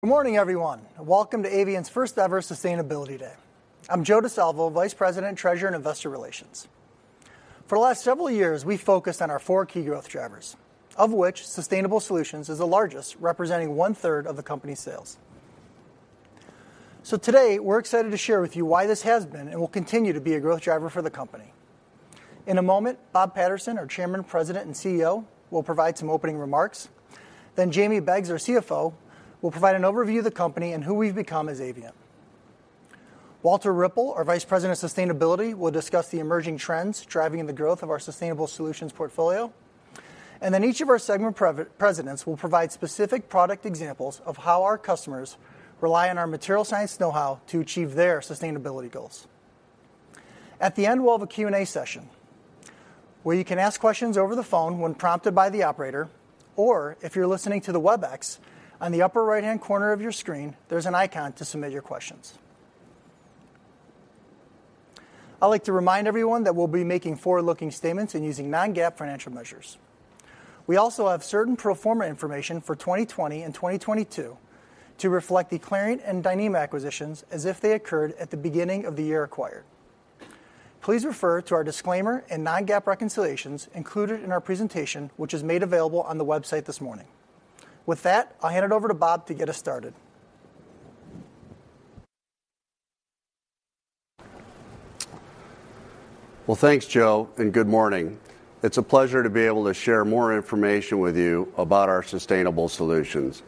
Good morning, everyone, and welcome to Avient's first-ever Sustainability Day. I'm Joe Di Salvo, Vice President, Treasurer, and Investor Relations. For the last several years, we've focused on our four key growth drivers, of which Sustainable Solutions is the largest, representing 1/3 of the company's sales. So today, we're excited to share with you why this has been and will continue to be a growth driver for the company. In a moment, Bob Patterson, our Chairman, President, and CEO, will provide some opening remarks. Then Jamie Beggs, our CFO, will provide an overview of the company and who we've become as Avient. Walter Ripple, our Vice President of Sustainability, will discuss the emerging trends driving the growth of our sustainable solutions portfolio. And then each of our segment presidents will provide specific product examples of how our customers rely on our material science know-how to achieve their sustainability goals. At the end, we'll have a Q&A session, where you can ask questions over the phone when prompted by the operator, or if you're listening to the WebEx, on the upper right-hand corner of your screen, there's an icon to submit your questions. I'd like to remind everyone that we'll be making forward-looking statements and using non-GAAP financial measures. We also have certain Pro forma information for 2020 and 2022 to reflect the Clariant and Dyneema acquisitions as if they occurred at the beginning of the year acquired. Please refer to our disclaimer and non-GAAP reconciliations included in our presentation, which is made available on the website this morning. With that, I'll hand it over to Bob to get us started. Well, thanks, Joe, and good morning. It's a pleasure to be able to share more information with you about our sustainable solutions.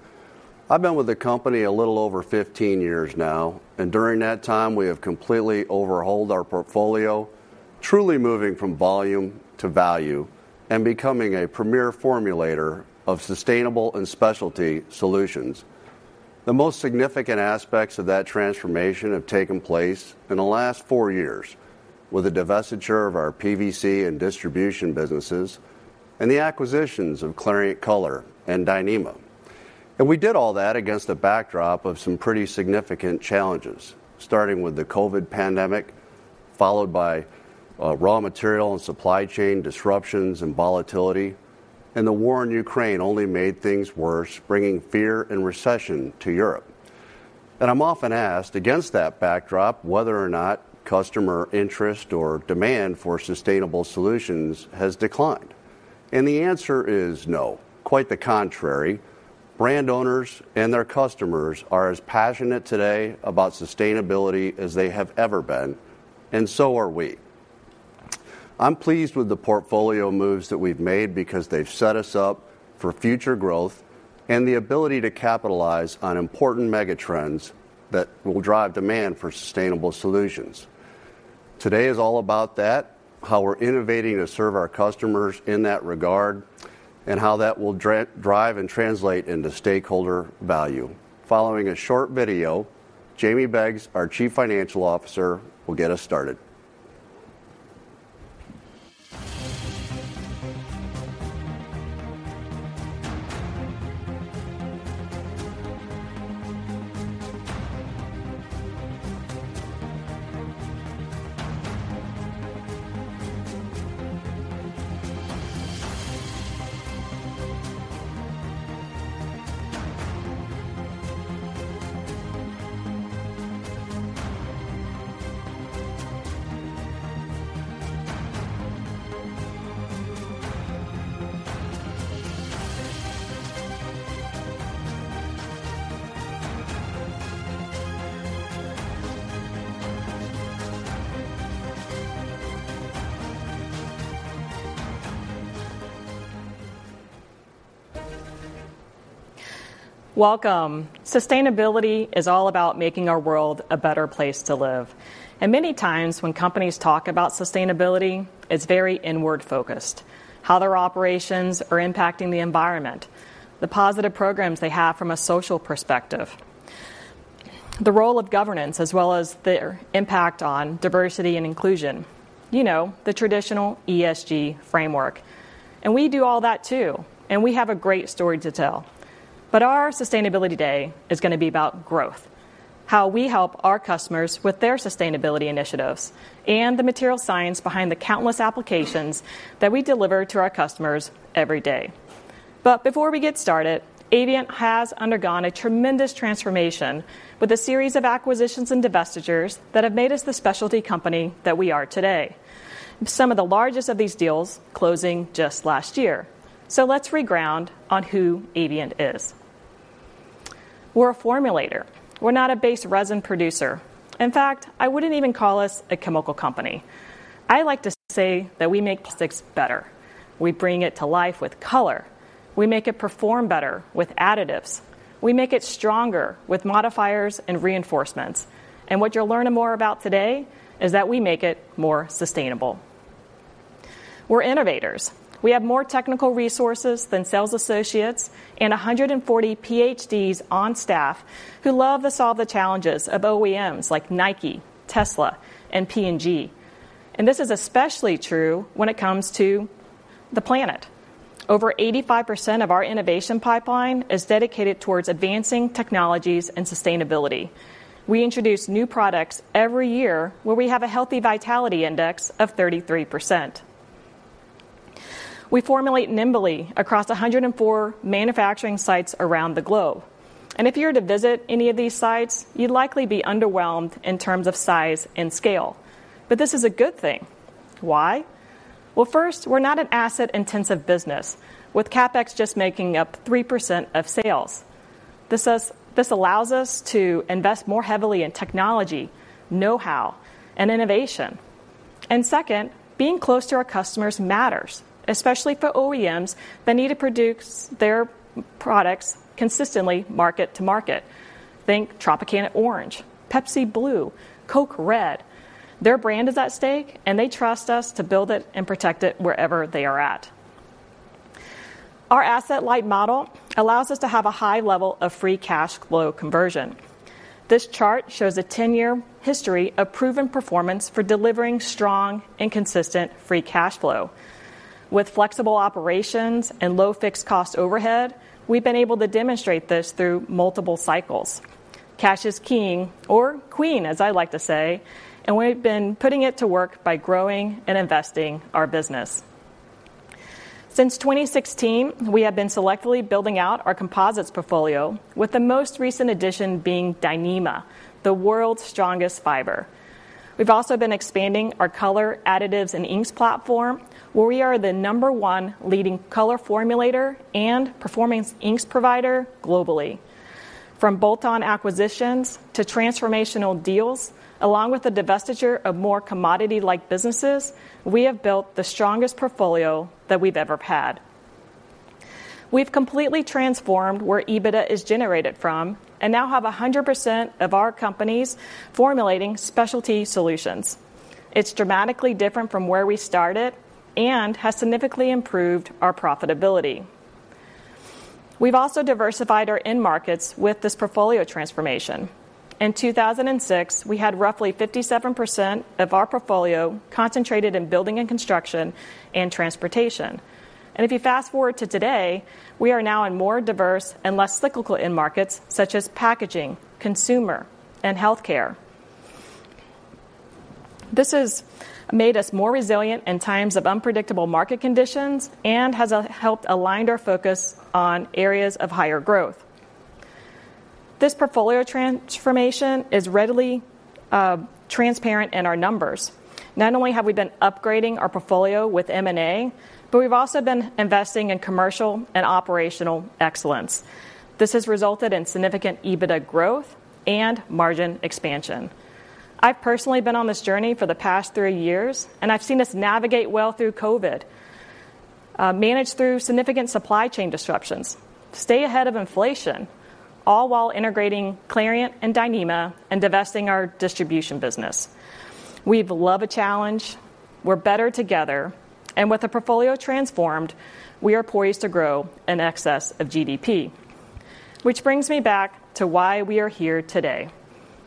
I've been with the company a little over 15 years now, and during that time, we have completely overhauled our portfolio, truly moving from volume to value and becoming a premier formulator of sustainable and specialty solutions. The most significant aspects of that transformation have taken place in the last four years with the divestiture of our PVC and distribution businesses and the acquisitions of Clariant color and Dyneema. We did all that against a backdrop of some pretty significant challenges, starting with the COVID pandemic, followed by raw material and supply chain disruptions and volatility, and the war in Ukraine only made things worse, bringing fear and recession to Europe. I'm often asked, against that backdrop, whether or not customer interest or demand for sustainable solutions has declined, and the answer is no. Quite the contrary, brand owners and their customers are as passionate today about sustainability as they have ever been, and so are we. I'm pleased with the portfolio moves that we've made because they've set us up for future growth and the ability to capitalize on important mega trends that will drive demand for sustainable solutions. Today is all about that, how we're innovating to serve our customers in that regard, and how that will drive and translate into stakeholder value. Following a short video, Jamie Beggs, our Chief Financial Officer, will get us started. Welcome. Sustainability is all about making our world a better place to live. And many times, when companies talk about sustainability, it's very inward-focused: how their operations are impacting the environment, the positive programs they have from a social perspective, the role of governance, as well as their impact on diversity and inclusion. You know, the traditional ESG framework. And we do all that, too, and we have a great story to tell. But our Sustainability Day is gonna be about growth, how we help our customers with their sustainability initiatives and the material science behind the countless applications that we deliver to our customers every day. But before we get started, Avient has undergone a tremendous transformation with a series of acquisitions and divestitures that have made us the specialty company that we are today, with some of the largest of these deals closing just last year. Let's reground on who Avient is. We're a formulator. We're not a base resin producer. In fact, I wouldn't even call us a chemical company. I like to say that we make plastics better. We bring it to life with color. We make it perform better with additives. We make it stronger with modifiers and reinforcements. What you'll learn more about today is that we make it more sustainable. We're innovators. We have more technical resources than sales associates and 140 PhDs on staff who love to solve the challenges of OEMs like Nike, Tesla, and P&G. This is especially true when it comes to the planet. Over 85% of our innovation pipeline is dedicated towards advancing technologies and sustainability. We introduce new products every year where we have a healthy vitality index of 33%. We formulate nimbly across 104 manufacturing sites around the globe. If you were to visit any of these sites, you'd likely be underwhelmed in terms of size and scale. But this is a good thing. Why? Well, first, we're not an asset-intensive business, with CapEx just making up 3% of sales. This allows us to invest more heavily in technology, know-how, and innovation. And second, being close to our customers matters, especially for OEMs that need to produce their products consistently market-to-market. Think Tropicana orange, Pepsi blue, Coke red. Their brand is at stake, and they trust us to build it and protect it wherever they are at. Our asset-light model allows us to have a high level of free cash flow conversion. This chart shows a 10-year history of proven performance for delivering strong and consistent free cash flow. With flexible operations and low fixed cost overhead, we've been able to demonstrate this through multiple cycles. Cash is king, or queen, as I like to say, and we've been putting it to work by growing and investing our business. Since 2016, we have been selectively building out our composites portfolio, with the most recent addition being Dyneema, the world's strongest fiber. We've also been expanding our color, additives, and inks platform, where we are the No. 1 leading color formulator and performance inks provider globally. From bolt-on acquisitions to transformational deals, along with the divestiture of more commodity-like businesses, we have built the strongest portfolio that we've ever had. We've completely transformed where EBITDA is generated from and now have 100% of our companies formulating specialty solutions. It's dramatically different from where we started and has significantly improved our profitability. We've also diversified our end markets with this portfolio transformation. In 2006, we had roughly 57% of our portfolio concentrated in building and construction and transportation. And if you fast-forward to today, we are now in more diverse and less cyclical end markets, such as packaging, consumer, and healthcare. This has made us more resilient in times of unpredictable market conditions and has helped aligned our focus on areas of higher growth. This portfolio transformation is readily transparent in our numbers. Not only have we been upgrading our portfolio with M&A, but we've also been investing in commercial and operational excellence. This has resulted in significant EBITDA growth and margin expansion. I've personally been on this journey for the past three years, and I've seen us navigate well through COVID, manage through significant supply chain disruptions, stay ahead of inflation, all while integrating Clariant and Dyneema and divesting our distribution business. We love a challenge, we're better together, and with the portfolio transformed, we are poised to grow in excess of GDP. Which brings me back to why we are here today.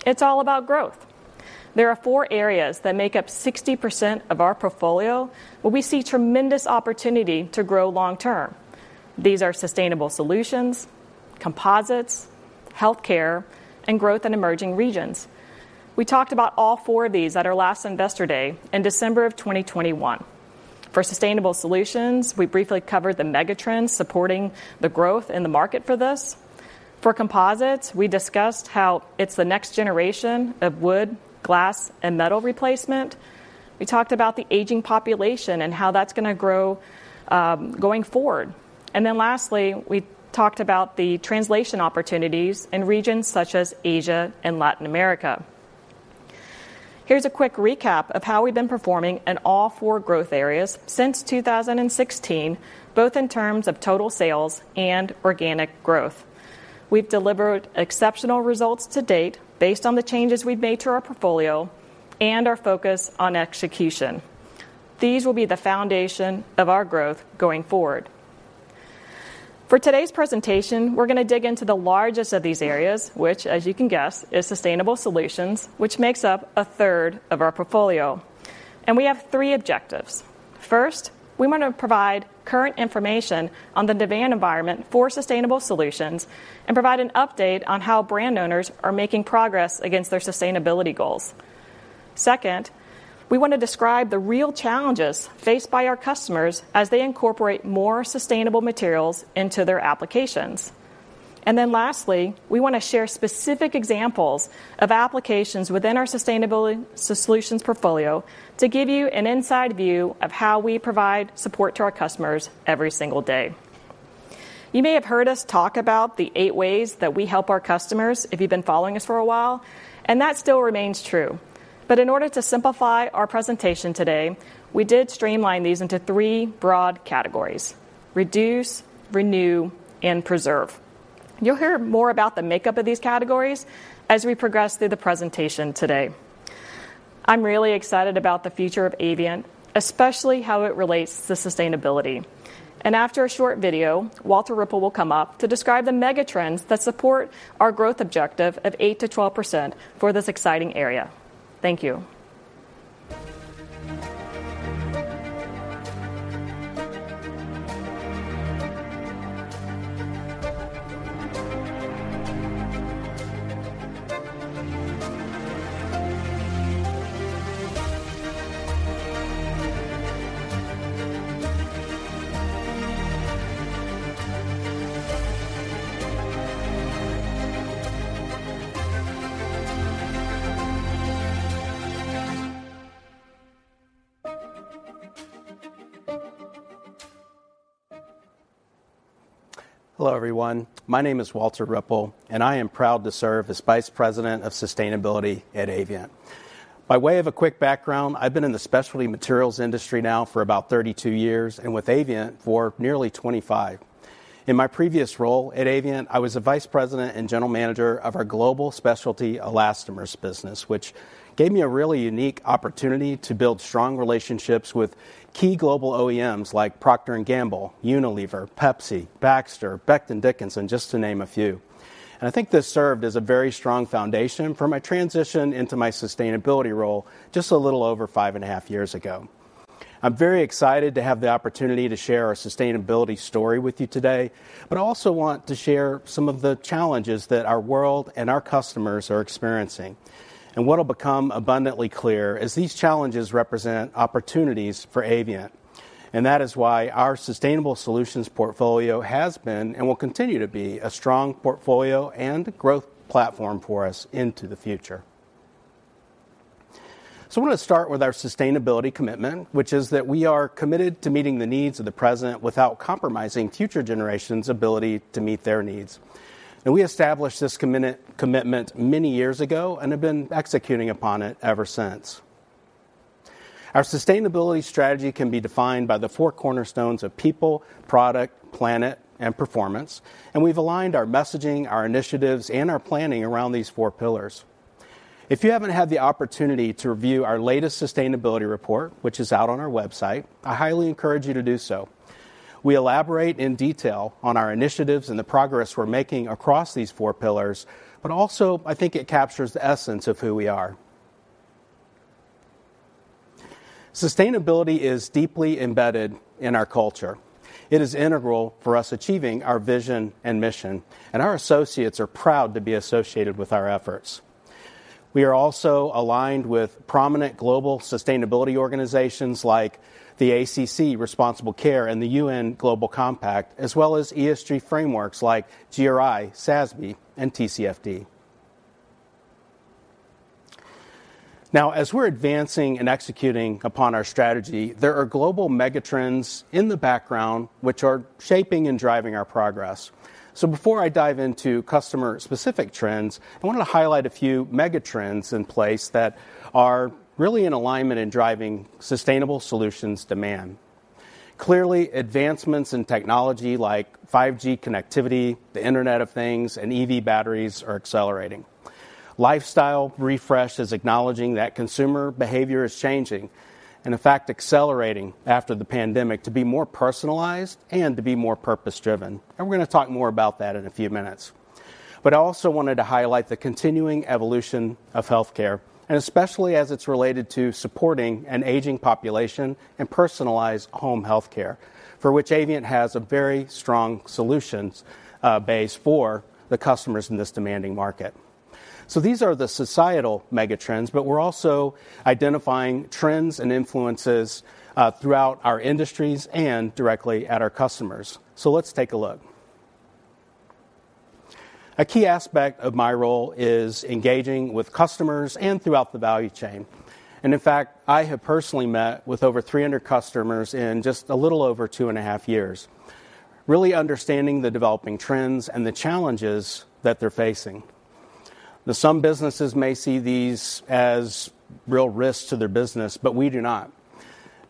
It's all about growth. There are four areas that make up 60% of our portfolio, where we see tremendous opportunity to grow long term. These are sustainable solutions, composites, healthcare, and growth in emerging regions. We talked about all four of these at our last Investor Day in December 2021. For sustainable solutions, we briefly covered the megatrends supporting the growth in the market for this. For composites, we discussed how it's the next generation of wood, glass, and metal replacement. We talked about the aging population and how that's gonna grow, going forward. And then lastly, we talked about the translation opportunities in regions such as Asia and Latin America. Here's a quick recap of how we've been performing in all four growth areas since 2016, both in terms of total sales and organic growth. We've delivered exceptional results to date based on the changes we've made to our portfolio and our focus on execution. These will be the foundation of our growth going forward. For today's presentation, we're gonna dig into the largest of these areas, which, as you can guess, is sustainable solutions, which makes up a third of our portfolio. And we have three objectives. First, we want to provide current information on the demand environment for sustainable solutions and provide an update on how brand owners are making progress against their sustainability goals. Second, we want to describe the real challenges faced by our customers as they incorporate more sustainable materials into their applications. Lastly, we want to share specific examples of applications within our sustainability solutions portfolio to give you an inside view of how we provide support to our customers every single day. You may have heard us talk about the eight ways that we help our customers if you've been following us for a while, and that still remains true. In order to simplify our presentation today, we did streamline these into three broad categories: Reduce, Renew, and preserve. You'll hear more about the makeup of these categories as we progress through the presentation today. I'm really excited about the future of Avient, especially how it relates to sustainability. After a short video, Walter Ripple will come up to describe the megatrends that support our growth objective of 8%-12% for this exciting area. Thank you. Hello, everyone. My name is Walter Ripple, and I am proud to serve as Vice President of Sustainability at Avient. By way of a quick background, I've been in the specialty materials industry now for about 32 years, and with Avient for nearly 25. In my previous role at Avient, I was a vice president and general manager of our global specialty elastomers business, which gave me a really unique opportunity to build strong relationships with key global OEMs like Procter & Gamble, Unilever, Pepsi, Baxter, Becton Dickinson, just to name a few. I think this served as a very strong foundation for my transition into my sustainability role just a little over five and a half years ago. I'm very excited to have the opportunity to share our sustainability story with you today, but I also want to share some of the challenges that our world and our customers are experiencing. What will become abundantly clear is these challenges represent opportunities for Avient, and that is why our sustainable solutions portfolio has been, and will continue to be, a strong portfolio and growth platform for us into the future. So I want to start with our sustainability commitment, which is that we are committed to meeting the needs of the present without compromising future generations' ability to meet their needs. We established this commitment many years ago and have been executing upon it ever since. Our sustainability strategy can be defined by the four cornerstones of people, product, planet, and performance, and we've aligned our messaging, our initiatives, and our planning around these four pillars. If you haven't had the opportunity to review our latest sustainability report, which is out on our website, I highly encourage you to do so. We elaborate in detail on our initiatives and the progress we're making across these four pillars, but also, I think it captures the essence of who we are. Sustainability is deeply embedded in our culture. It is integral for us achieving our vision and mission, and our associates are proud to be associated with our efforts. We are also aligned with prominent global sustainability organizations like the ACC Responsible Care and the UN Global Compact, as well as ESG frameworks like GRI, SASB, and TCFD. Now, as we're advancing and executing upon our strategy, there are global megatrends in the background which are shaping and driving our progress. So before I dive into customer-specific trends, I wanted to highlight a few megatrends in place that are really in alignment in driving sustainable solutions demand. Clearly, advancements in technology like 5G connectivity, the Internet of Things, and EV batteries are accelerating. Lifestyle refresh is acknowledging that consumer behavior is changing, and in fact, accelerating after the pandemic to be more personalized and to be more purpose-driven, and we're gonna talk more about that in a few minutes. But I also wanted to highlight the continuing evolution of healthcare, and especially as it's related to supporting an aging population and personalized home healthcare, for which Avient has a very strong solutions base for the customers in this demanding market. So these are the societal megatrends, but we're also identifying trends and influences throughout our industries and directly at our customers. So let's take a look. A key aspect of my role is engaging with customers and throughout the value chain. In fact, I have personally met with over 300 customers in just a little over two and a half years, really understanding the developing trends and the challenges that they're facing. Now, some businesses may see these as real risks to their business, but we do not.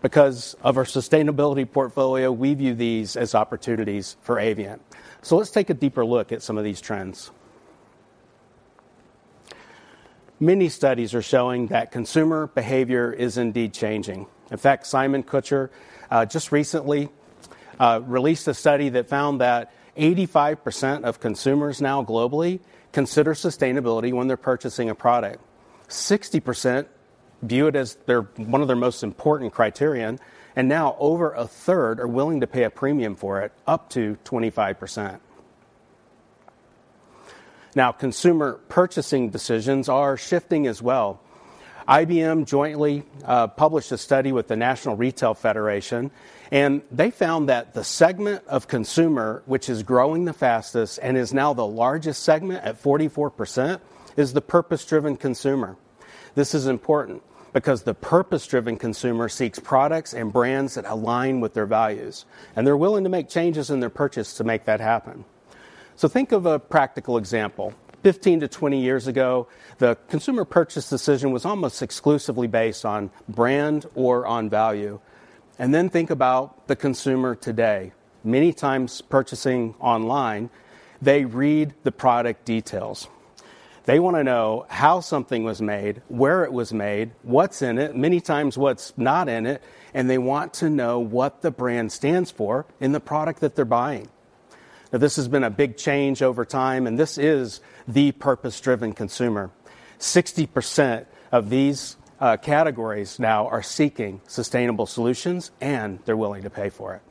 Because of our sustainability portfolio, we view these as opportunities for Avient. Let's take a deeper look at some of these trends. Many studies are showing that consumer behavior is indeed changing. In fact, Simon-Kucher just recently released a study that found that 85% of consumers now globally consider sustainability when they're purchasing a product. 60% view it as their. One of their most important criterion, and now over a third are willing to pay a premium for it, up to 25%. Now, consumer purchasing decisions are shifting as well. IBM jointly published a study with the National Retail Federation, and they found that the segment of consumer, which is growing the fastest and is now the largest segment at 44%, is the purpose-driven consumer. This is important because the purpose-driven consumer seeks products and brands that align with their values, and they're willing to make changes in their purchase to make that happen. Think of a practical example.15 to 20 years ago, the consumer purchase decision was almost exclusively based on brand or on value. Think about the consumer today. Many times purchasing online, they read the product details. They wanna know how something was made, where it was made, what's in it, many times what's not in it, and they want to know what the brand stands for in the product that they're buying. Now, this has been a big change over time, and this is the purpose-driven consumer. 60% of these categories now are seeking sustainable solutions, and they're willing to pay for it.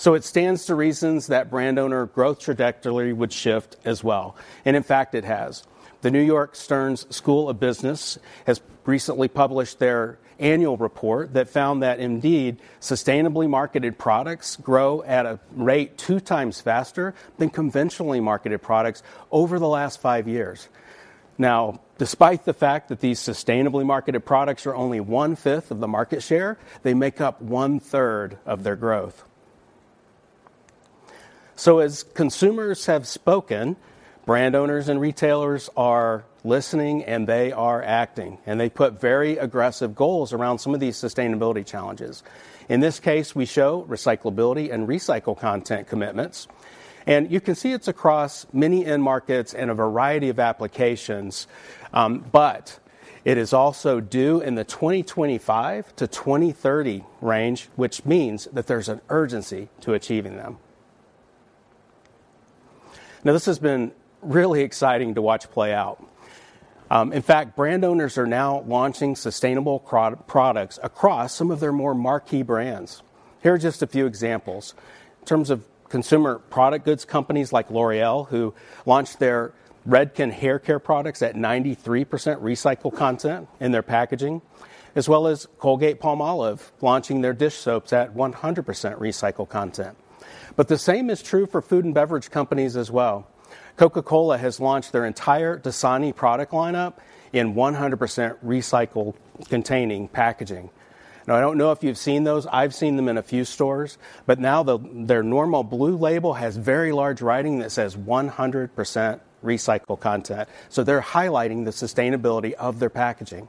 So it stands to reason that brand owner growth trajectory would shift as well, and in fact, it has. The New York Stern School of Business has recently published their annual report that found that indeed, sustainably marketed products grow at a rate two times faster than conventionally marketed products over the last five years. Now, despite the fact that these sustainably marketed products are only 1/5 of the market share, they make up 1/3 of their growth. So as consumers have spoken, brand owners and retailers are listening, and they are acting, and they put very aggressive goals around some of these sustainability challenges. In this case, we show recyclability and recycled content commitments, and you can see it's across many end markets and a variety of applications. But it is also due in the 2025-2030 range, which means that there's an urgency to achieving them. Now, this has been really exciting to watch play out. In fact, brand owners are now launching sustainable products across some of their more marquee brands. Here are just a few examples. In terms of consumer product goods, companies like L'Oréal, who launched their Redken hair care products at 93% recycled content in their packaging, as well as Colgate-Palmolive launching their dish soaps at 100% recycled content. But the same is true for food and beverage companies as well. Coca-Cola has launched their entire Dasani product lineup in 100% recycled containing packaging. Now, I don't know if you've seen those. I've seen them in a few stores, but now, their normal blue label has very large writing that says 100% recycled content, so they're highlighting the sustainability of their packaging.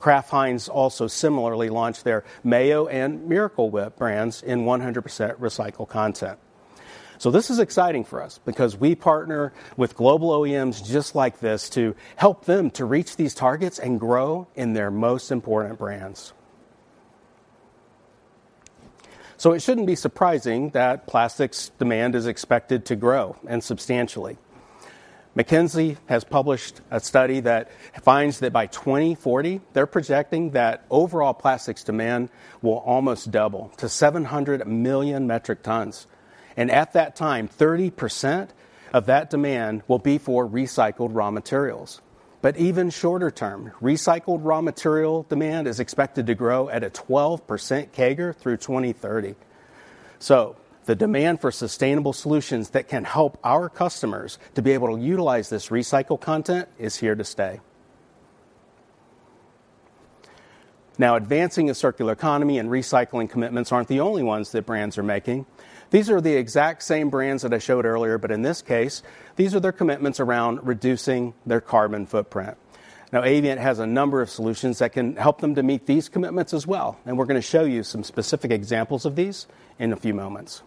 Kraft Heinz also similarly launched their mayo and Miracle Whip brands in 100% recycled content. So this is exciting for us because we partner with global OEMs just like this to help them to reach these targets and grow in their most important brands. So it shouldn't be surprising that plastics demand is expected to grow, and substantially. McKinsey has published a study that finds that by 2040, they're projecting that overall plastics demand will almost double to 700 million metric tons, and at that time, 30% of that demand will be for recycled raw materials. Even shorter term, recycled raw material demand is expected to grow at a 12% CAGR through 2030. The demand for sustainable solutions that can help our customers to be able to utilize this recycled content is here to stay. Advancing a circular economy and recycling commitments aren't the only ones that brands are making. These are the exact same brands that I showed earlier, but in this case, these are their commitments around reducing their carbon footprint. Now, Avient has a number of solutions that can help them to meet these commitments as well, and we're gonna show you some specific examples of these in a few moments.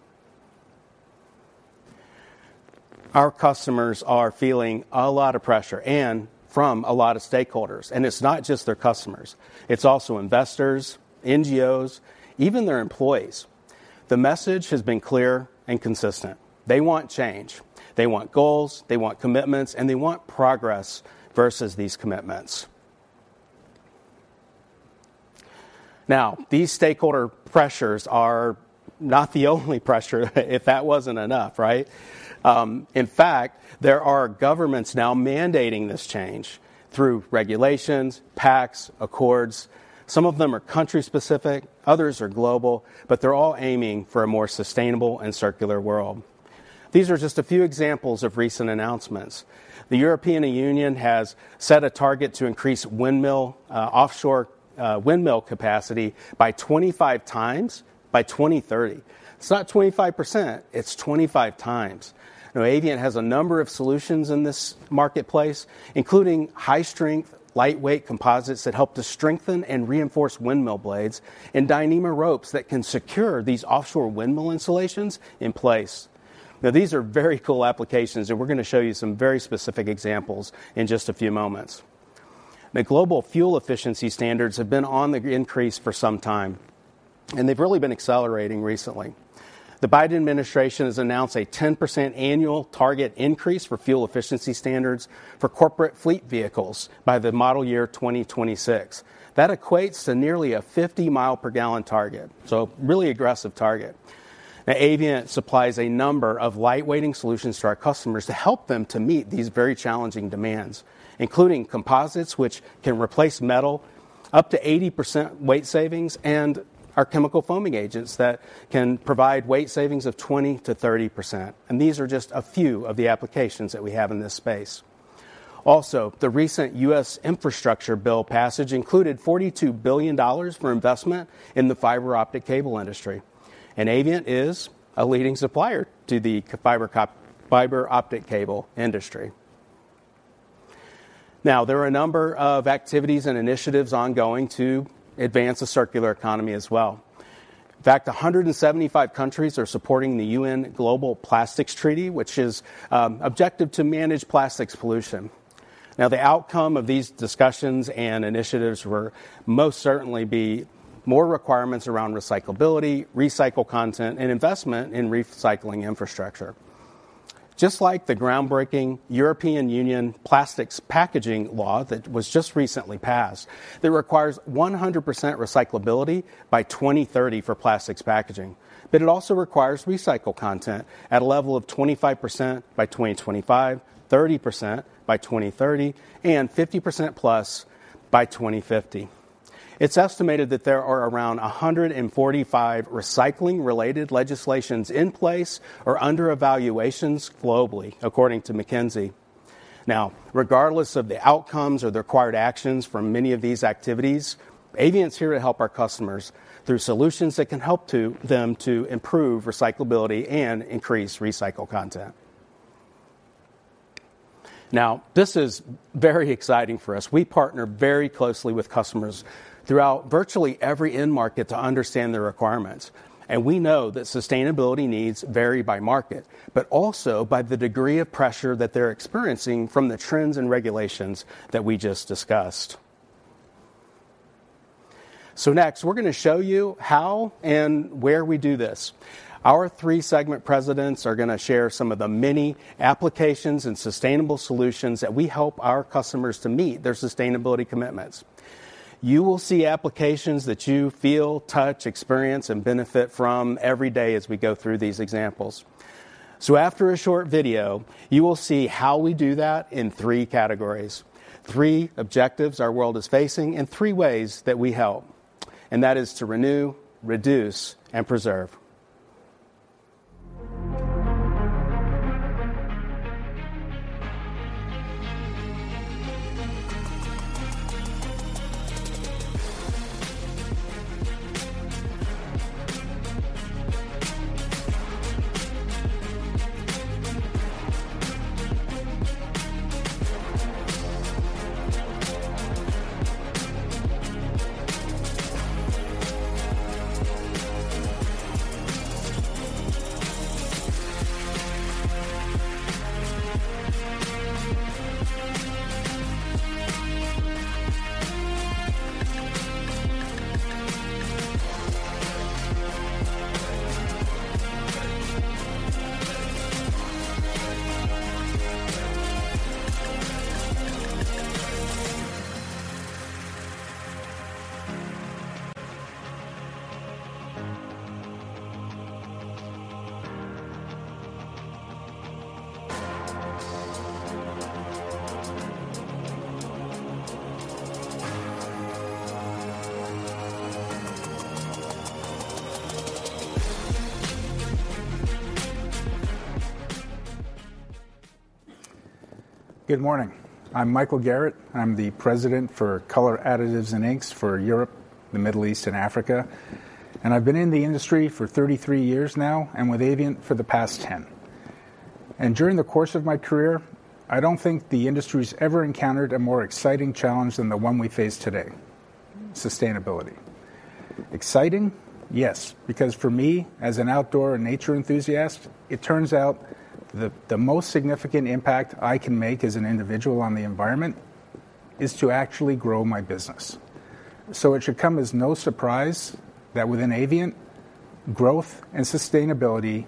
Our customers are feeling a lot of pressure and from a lot of stakeholders, and it's not just their customers. It's also investors, NGOs, even their employees. The message has been clear and consistent. They want change. They want goals, they want commitments, and they want progress versus these commitments. Now, these stakeholder pressures are not the only pressure, if that wasn't enough, right? In fact, there are governments now mandating this change through regulations, pacts, accords. Some of them are country specific, others are global, but they're all aiming for a more sustainable and circular world. These are just a few examples of recent announcements. The European Union has set a target to increase windmill offshore windmill capacity by 25x by 2030. It's not 25%, it's 25x. Now, Avient has a number of solutions in this marketplace, including high-strength, lightweight composites that help to strengthen and reinforce windmill blades, and Dyneema ropes that can secure these offshore windmill installations in place. Now, these are very cool applications, and we're gonna show you some very specific examples in just a few moments. The global fuel efficiency standards have been on the increase for some time, and they've really been accelerating recently. The Biden administration has announced a 10% annual target increase for fuel efficiency standards for corporate fleet vehicles by the model year 2026. That equates to nearly a 50-mi-per-gal target, so really aggressive target. Now, Avient supplies a number of lightweighting solutions to our customers to help them to meet these very challenging demands, including composites, which can replace metal, up to 80% weight savings, and our chemical foaming agents that can provide weight savings of 20%-30%, and these are just a few of the applications that we have in this space. Also, the recent U.S. Infrastructure Bill passage included $42 billion for investment in the fiber optic cable industry, and Avient is a leading supplier to the fiber optic cable industry. Now, there are a number of activities and initiatives ongoing to advance the circular economy as well. In fact, 175 countries are supporting the UN Global Plastics Treaty, which is objective to manage plastics pollution. Now, the outcome of these discussions and initiatives will most certainly be more requirements around recyclability, recycled content, and investment in recycling infrastructure. Just like the groundbreaking European Union plastics packaging law that was just recently passed, that requires 100% recyclability by 2030 for plastics packaging. It also requires recycled content at a level of 25% by 2025, 30% by 2030, and 50% plus by 2050. It's estimated that there are around 145 recycling-related legislations in place or under evaluations globally, according to McKinsey. Now, regardless of the outcomes or the required actions from many of these activities, Avient's here to help our customers through solutions that can help to them to improve recyclability and increase recycled content. Now, this is very exciting for us. We partner very closely with customers throughout virtually every end market to understand their requirements, and we know that sustainability needs vary by market, but also by the degree of pressure that they're experiencing from the trends and regulations that we just discussed. So next, we're gonna show you how and where we do this. Our three segment presidents are gonna share some of the many applications and sustainable solutions that we help our customers to meet their sustainability commitments. You will see applications that you feel, touch, experience, and benefit from every day as we go through these examples. So after a short video, you will see how we do that in three categories, three objectives our world is facing, and three ways that we help, and that is to renew, reduce, and preserve. Good morning. I'm Michael Garratt. I'm the President for Color, Additives and Inks for Europe, the Middle East, and Africa, and I've been in the industry for 33 years now, and with Avient for the past 10. And during the course of my career, I don't think the industry's ever encountered a more exciting challenge than the one we face today: sustainability. Exciting? Yes, because for me, as an outdoor and nature enthusiast, it turns out the most significant impact I can make as an individual on the environment is to actually grow my business. So it should come as no surprise that within Avient, growth and sustainability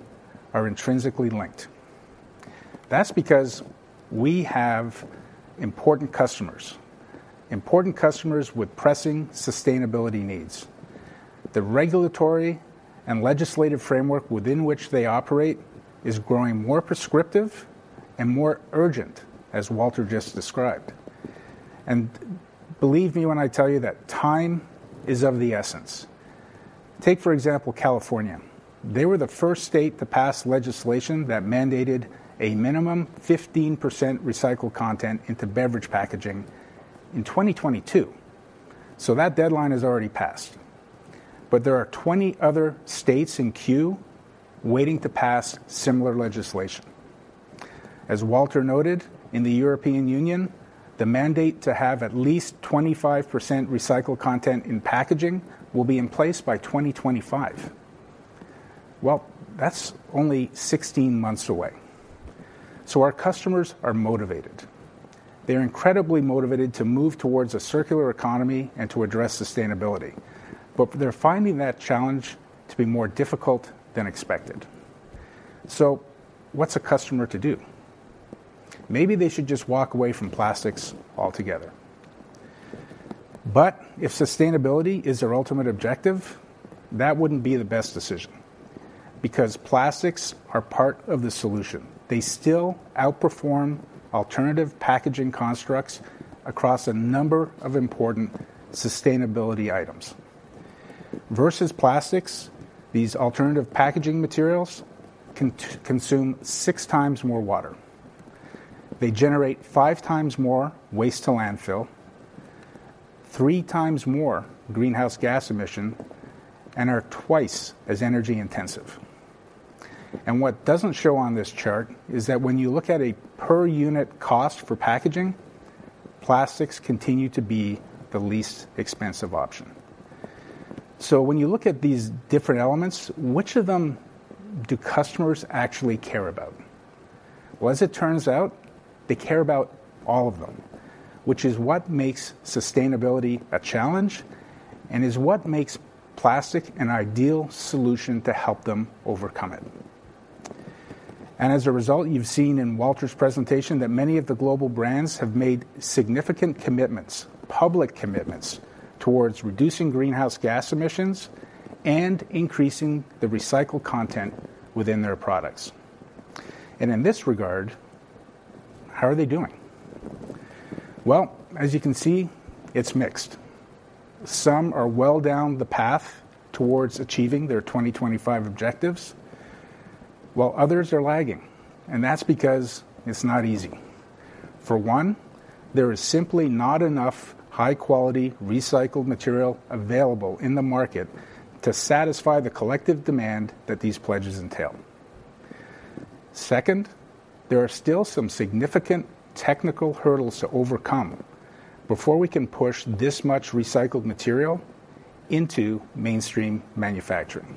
are intrinsically linked. That's because we have important customers, important customers with pressing sustainability needs. The regulatory and legislative framework within which they operate is growing more prescriptive and more urgent, as Walter just described. Believe me when I tell you that time is of the essence. Take, for example, California. They were the first state to pass legislation that mandated a minimum 15% recycled content into beverage packaging in 2022, so that deadline has already passed. There are 20 other states in queue waiting to pass similar legislation. As Walter noted, in the European Union, the mandate to have at least 25% recycled content in packaging will be in place by 2025. Well, that's only 16 months away. Our customers are motivated. They're incredibly motivated to move towards a circular economy and to address sustainability, but they're finding that challenge to be more difficult than expected. What's a customer to do? Maybe they should just walk away from plastics altogether. If sustainability is their ultimate objective, that wouldn't be the best decision, because plastics are part of the solution. They still outperform alternative packaging constructs across a number of important sustainability items. Versus plastics, these alternative packaging materials consume six times more water. They generate five times more waste to landfill, three times more greenhouse gas emission, and are twice as energy intensive. What doesn't show on this chart is that when you look at a per unit cost for packaging, plastics continue to be the least expensive option. When you look at these different elements, which of them do customers actually care about? Well, as it turns out, they care about all of them... which is what makes sustainability a challenge, and is what makes plastic an ideal solution to help them overcome it. And as a result, you've seen in Walter's presentation that many of the global brands have made significant commitments, public commitments, towards reducing greenhouse gas emissions and increasing the recycled content within their products. And in this regard, how are they doing? Well, as you can see, it's mixed. Some are well down the path towards achieving their 2025 objectives, while others are lagging, and that's because it's not easy. For one, there is simply not enough high-quality recycled material available in the market to satisfy the collective demand that these pledges entail. Second, there are still some significant technical hurdles to overcome before we can push this much recycled material into mainstream manufacturing.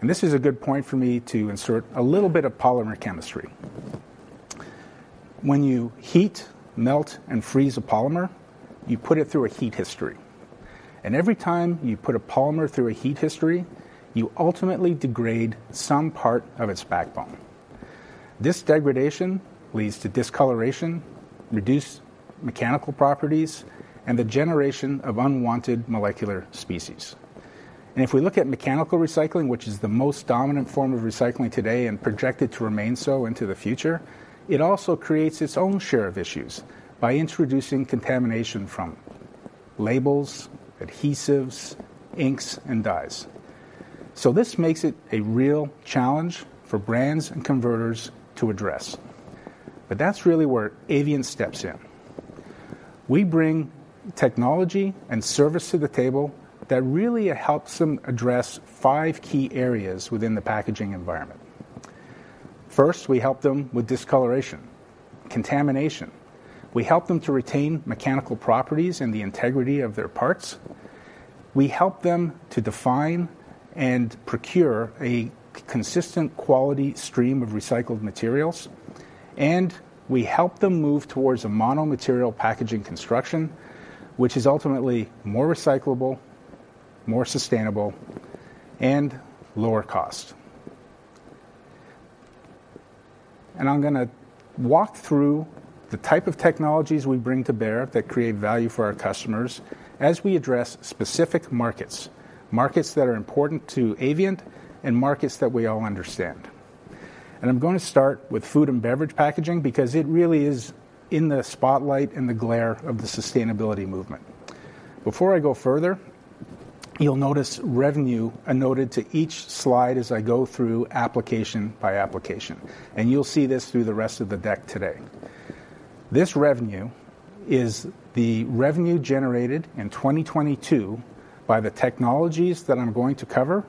And this is a good point for me to insert a little bit of polymer chemistry. When you heat, melt, and freeze a polymer, you put it through a heat history, and every time you put a polymer through a heat history, you ultimately degrade some part of its backbone. This degradation leads to discoloration, reduced mechanical properties, and the generation of unwanted molecular species. And if we look at mechanical recycling, which is the most dominant form of recycling today and projected to remain so into the future, it also creates its own share of issues by introducing contamination from labels, adhesives, inks, and dyes. So this makes it a real challenge for brands and converters to address. But that's really where Avient steps in. We bring technology and service to the table that really helps them address five key areas within the packaging environment. First, we help them with discoloration, contamination. We help them to retain mechanical properties and the integrity of their parts. We help them to define and procure a consistent quality stream of recycled materials, and we help them move towards a mono-material packaging construction, which is ultimately more recyclable, more sustainable, and lower cost. I'm gonna walk through the type of technologies we bring to bear that create value for our customers as we address specific markets, markets that are important to Avient and markets that we all understand. I'm going to start with food and beverage packaging because it really is in the spotlight, in the glare of the sustainability movement. Before I go further, you'll notice revenue allocated to each slide as I go through application by application, and you'll see this through the rest of the deck today. This revenue is the revenue generated in 2022 by the technologies that I'm going to cover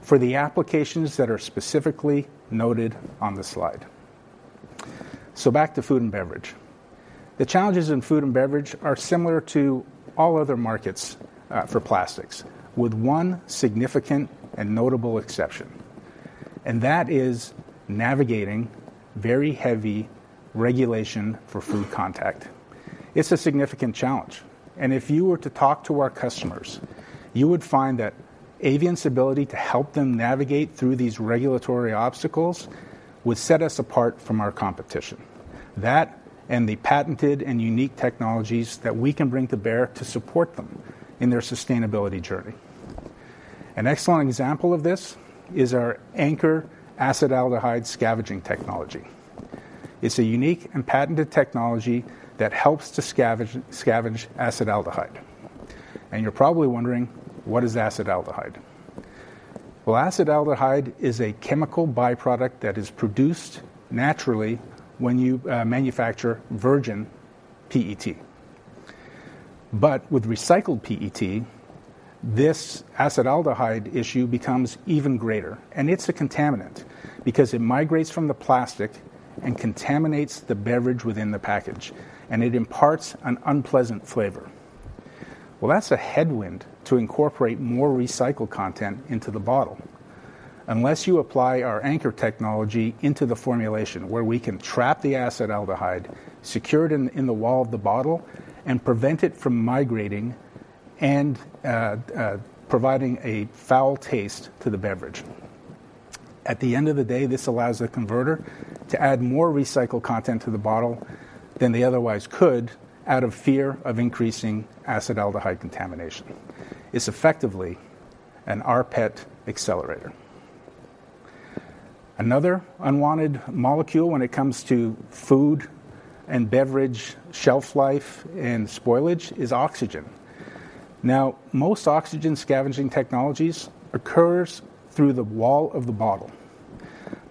for the applications that are specifically noted on the slide. Back to food and beverage. The challenges in food and beverage are similar to all other markets for plastics, with one significant and notable exception, and that is navigating very heavy regulation for food contact. It's a significant challenge, and if you were to talk to our customers, you would find that Avient's ability to help them navigate through these regulatory obstacles would set us apart from our competition. That, and the patented and unique technologies that we can bring to bear to support them in their sustainability journey. An excellent example of this is our AAnchor acetaldehyde scavenging technology. It's a unique and patented technology that helps to scavenge acetaldehyde. And you're probably wondering, what is acetaldehyde? Well, acetaldehyde is a chemical byproduct that is produced naturally when you manufacture virgin PET. But with recycled PET, this acetaldehyde issue becomes even greater, and it's a contaminant because it migrates from the plastic and contaminates the beverage within the package, and it imparts an unpleasant flavor. Well, that's a headwind to incorporate more recycled content into the bottle. Unless you apply our Anchor technology into the formulation, where we can trap the acetaldehyde, secure it in the wall of the bottle, and prevent it from migrating and providing a foul taste to the beverage. At the end of the day, this allows the converter to add more recycled content to the bottle than they otherwise could out of fear of increasing acetaldehyde contamination. It's effectively an rPET accelerator. Another unwanted molecule when it comes to food and beverage shelf life and spoilage is oxygen. Now, most oxygen scavenging technologies occurs through the wall of the bottle,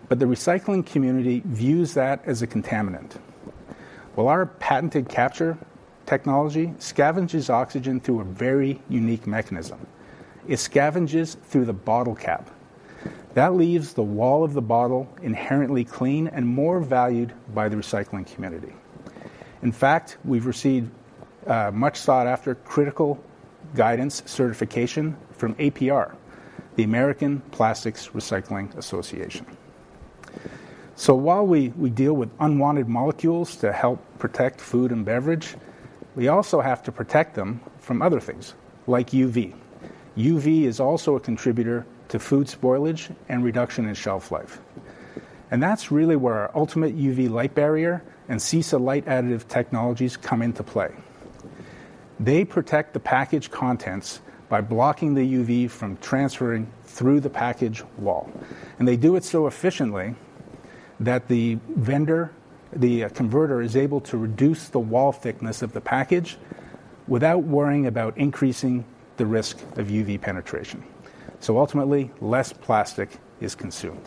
but the recycling community views that as a contaminant. Well, our patented Capture technology scavenges oxygen through a very unique mechanism. It scavenges through the bottle cap. That leaves the wall of the bottle inherently clean and more valued by the recycling community. In fact, we've received much sought-after critical guidance certification from APR, the American Plastics Recycling Association. While we deal with unwanted molecules to help protect food and beverage, we also have to protect them from other things, like UV. UV is also a contributor to food spoilage and reduction in shelf life, and that's really where our ultimate UV light barrier and Cesa Light additive technologies come into play. They protect the package contents by blocking the UV from transferring through the package wall, and they do it so efficiently that the vendor, the converter, is able to reduce the wall thickness of the package without worrying about increasing the risk of UV penetration. Ultimately, less plastic is consumed,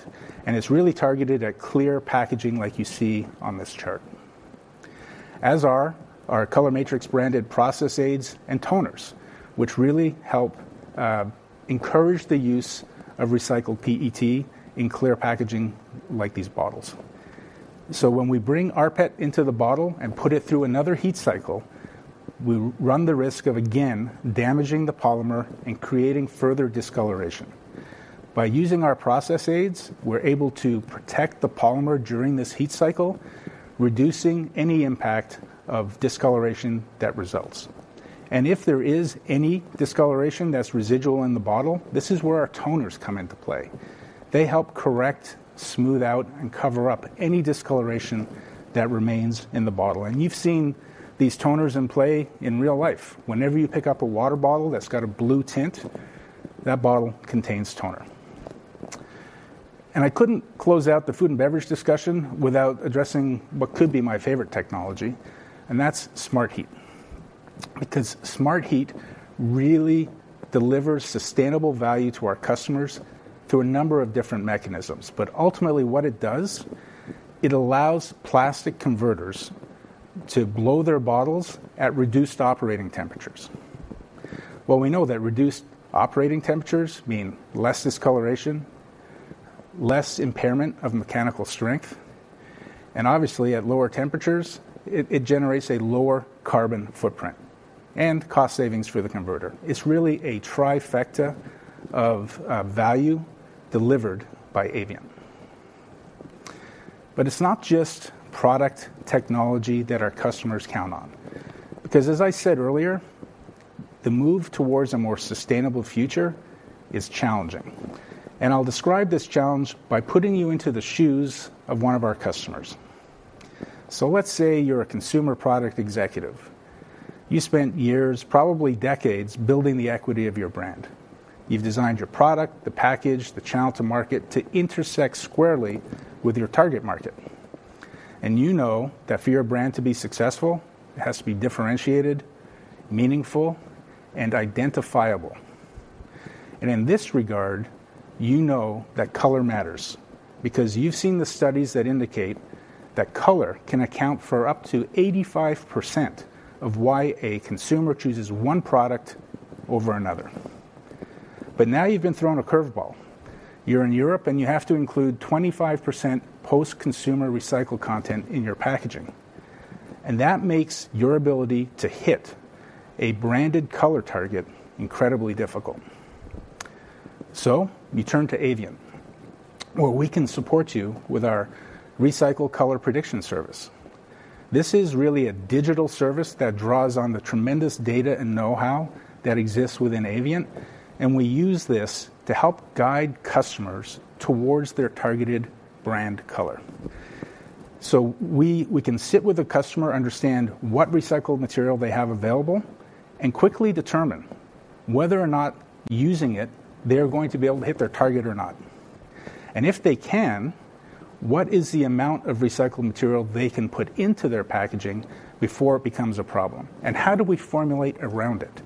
and it's really targeted at clear packaging like you see on this chart. As are our ColorMatrix branded process aids and toners, which really help encourage the use of recycled PET in clear packaging like these bottles. When we bring rPET into the bottle and put it through another heat cycle, we run the risk of, again, damaging the polymer and creating further discoloration. By using our process aids, we're able to protect the polymer during this heat cycle, reducing any impact of discoloration that results. If there is any discoloration that's residual in the bottle, this is where our toners come into play. They help correct, smooth out, and cover up any discoloration that remains in the bottle. You've seen these toners in play in real life. Whenever you pick up a water bottle that's got a blue tint, that bottle contains toner. I couldn't close out the food and beverage discussion without addressing what could be my favorite technology, and that's SmartHeat. Because SmartHeat really delivers sustainable value to our customers through a number of different mechanisms, but ultimately, what it does, it allows plastic converters to blow their bottles at reduced operating temperatures. Well, we know that reduced operating temperatures mean less discoloration, less impairment of mechanical strength, and obviously, at lower temperatures, it generates a lower carbon footprint and cost savings for the converter. It's really a trifecta of value delivered by Avient. But it's not just product technology that our customers count on, because, as I said earlier, the move towards a more sustainable future is challenging, and I'll describe this challenge by putting you into the shoes of one of our customers. So let's say you're a consumer product executive. You spent years, probably decades, building the equity of your brand. You've designed your product, the package, the channel to market, to intersect squarely with your target market, and you know that for your brand to be successful, it has to be differentiated, meaningful, and identifiable. And in this regard, you know that color matters because you've seen the studies that indicate that color can account for up to 85% of why a consumer chooses one product over another. But now you've been thrown a curveball. You're in Europe, and you have to include 25% post-consumer recycled content in your packaging, and that makes your ability to hit a branded color target incredibly difficult. So you turn to Avient, where we can support you with our Recycle Color Prediction service. This is really a digital service that draws on the tremendous data and know-how that exists within Avient, and we use this to help guide customers towards their targeted brand color. So we can sit with a customer, understand what recycled material they have available, and quickly determine whether or not using it, they're going to be able to hit their target or not. And if they can, what is the amount of recycled material they can put into their packaging before it becomes a problem? How do we formulate around it,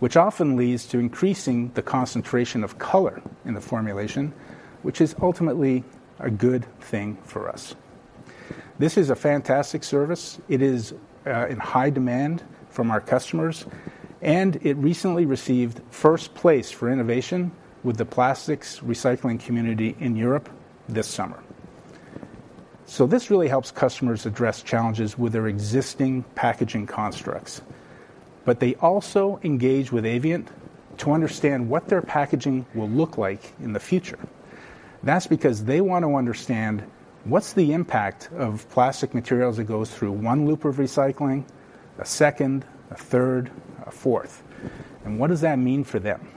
which often leads to increasing the concentration of color in the formulation, which is ultimately a good thing for us. This is a fantastic service. It is in high demand from our customers, and it recently received first place for innovation with the plastics recycling community in Europe this summer. So this really helps customers address challenges with their existing packaging constructs, but they also engage with Avient to understand what their packaging will look like in the future. That's because they want to understand what's the impact of plastic materials that goes through one loop of recycling, a second, a third, a fourth, and what does that mean for them?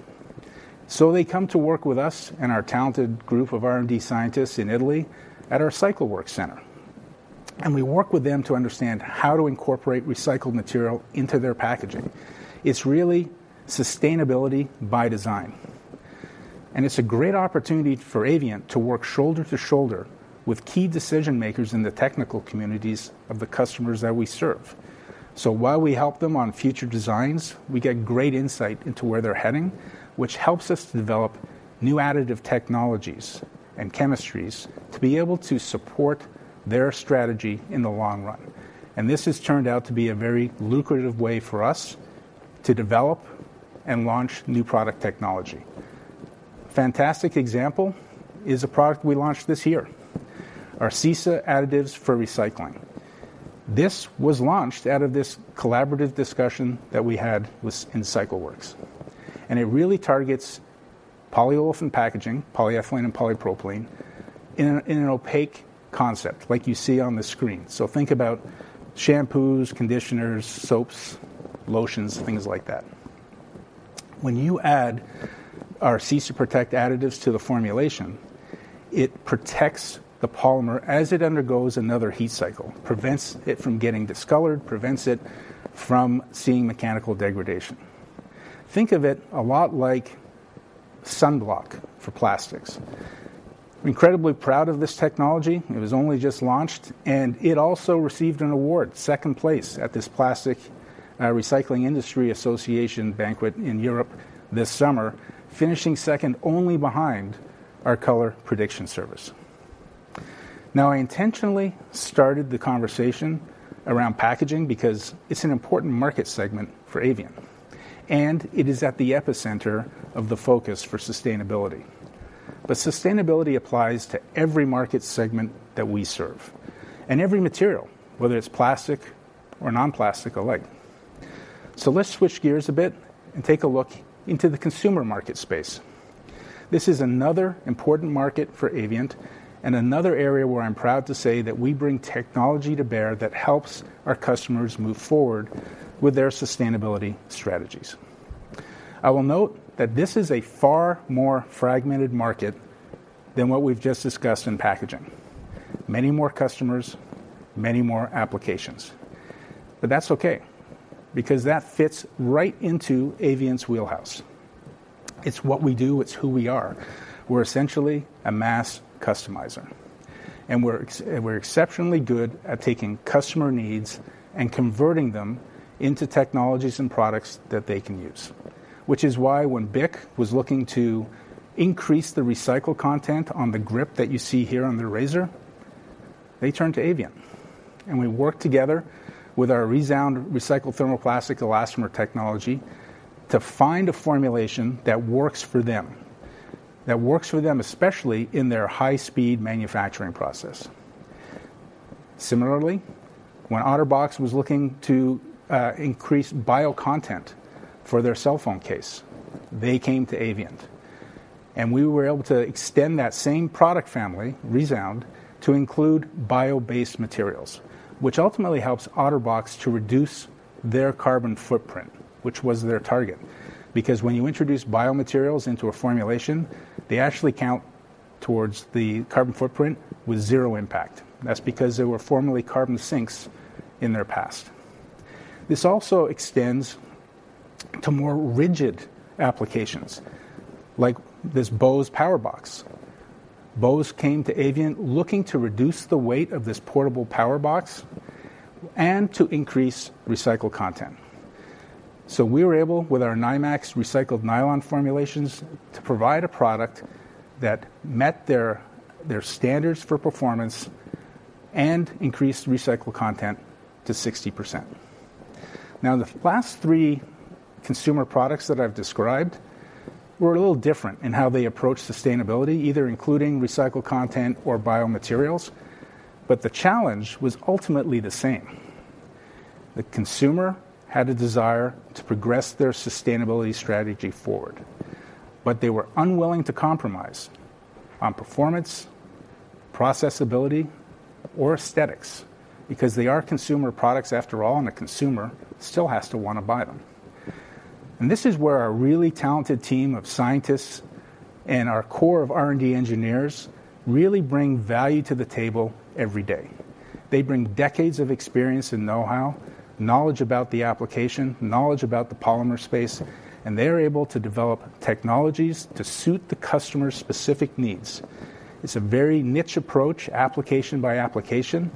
So they come to work with us and our talented group of R&D scientists in Italy at our CycleWorks center, and we work with them to understand how to incorporate recycled material into their packaging. It's really sustainability by design, and it's a great opportunity for Avient to work shoulder to shoulder with key decision-makers in the technical communities of the customers that we serve. So while we help them on future designs, we get great insight into where they're heading, which helps us to develop new additive technologies and chemistries to be able to support their strategy in the long run. And this has turned out to be a very lucrative way for us to develop and launch new product technology. Fantastic example is a product we launched this year, our Cesa additives for recycling.... This was launched out of this collaborative discussion that we had with, in CycleWorks, and it really targets polyolefin packaging, polyethylene and polypropylene, in an, in an opaque concept like you see on the screen. So think about shampoos, conditioners, soaps, lotions, things like that. When you add our Cesa Protect additives to the formulation, it protects the polymer as it undergoes another heat cycle, prevents it from getting discolored, prevents it from seeing mechanical degradation. Think of it a lot like sunblock for plastics. Incredibly proud of this technology. It was only just launched, and it also received an award, second place, at this Plastics Recycling Industry Association banquet in Europe this summer, finishing second only behind our color prediction service. Now, I intentionally started the conversation around packaging because it's an important market segment for Avient, and it is at the epicenter of the focus for sustainability. Sustainability applies to every market segment that we serve and every material, whether it's plastic or non-plastic alike. Let's switch gears a bit and take a look into the consumer market space. This is another important market for Avient and another area where I'm proud to say that we bring technology to bear that helps our customers move forward with their sustainability strategies. I will note that this is a far more fragmented market than what we've just discussed in packaging. Many more customers, many more applications. That's okay because that fits right into Avient's wheelhouse. It's what we do. It's who we are. We're essentially a mass customizer, and we're exceptionally good at taking customer needs and converting them into technologies and products that they can use, which is why when BIC was looking to increase the recycled content on the grip that you see here on their razor, they turned to Avient, and we worked together with our reSound recycled thermoplastic elastomer technology to find a formulation that works for them, that works for them, especially in their high-speed manufacturing process. Similarly, when OtterBox was looking to increase bio content for their cell phone case, they came to Avient, and we were able to extend that same product family, reSound, to include bio-based materials, which ultimately helps OtterBox to reduce their carbon footprint, which was their target. Because when you introduce biomaterials into a formulation, they actually count towards the carbon footprint with zero impact. That's because they were formerly carbon sinks in their past. This also extends to more rigid applications, like this Bose Power Box. Bose came to Avient looking to reduce the weight of this portable power box and to increase recycled content. So we were able, with our Nymax recycled nylon formulations, to provide a product that met their, their standards for performance and increased recycled content to 60%. Now, the last three consumer products that I've described were a little different in how they approached sustainability, either including recycled content or biomaterials, but the challenge was ultimately the same. The consumer had a desire to progress their sustainability strategy forward, but they were unwilling to compromise on performance, processability, or aesthetics because they are consumer products, after all, and the consumer still has to want to buy them. And this is where our really talented team of scientists and our core of R&D engineers really bring value to the table every day. They bring decades of experience and know-how, knowledge about the application, knowledge about the polymer space, and they are able to develop technologies to suit the customer's specific needs. It's a very niche approach, application by application,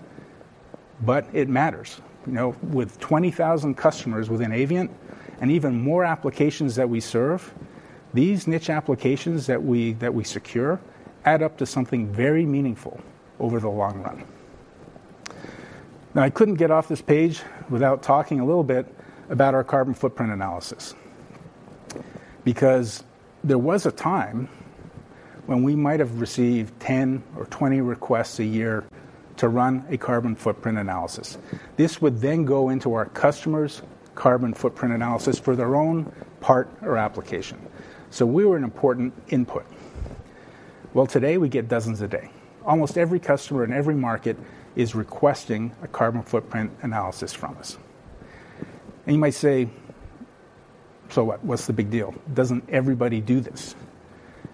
but it matters. You know, with 20,000 customers within Avient and even more applications that we serve, these niche applications that we, that we secure add up to something very meaningful over the long run. Now, I couldn't get off this page without talking a little bit about our carbon footprint analysis, because there was a time when we might have received 10 or 20 requests a year to run a carbon footprint analysis. This would then go into our customer's carbon footprint analysis for their own part or application. We were an important input. Well, today, we get dozens a day. Almost every customer in every market is requesting a carbon footprint analysis from us. You might say, "So what? What's the big deal? Doesn't everybody do this?"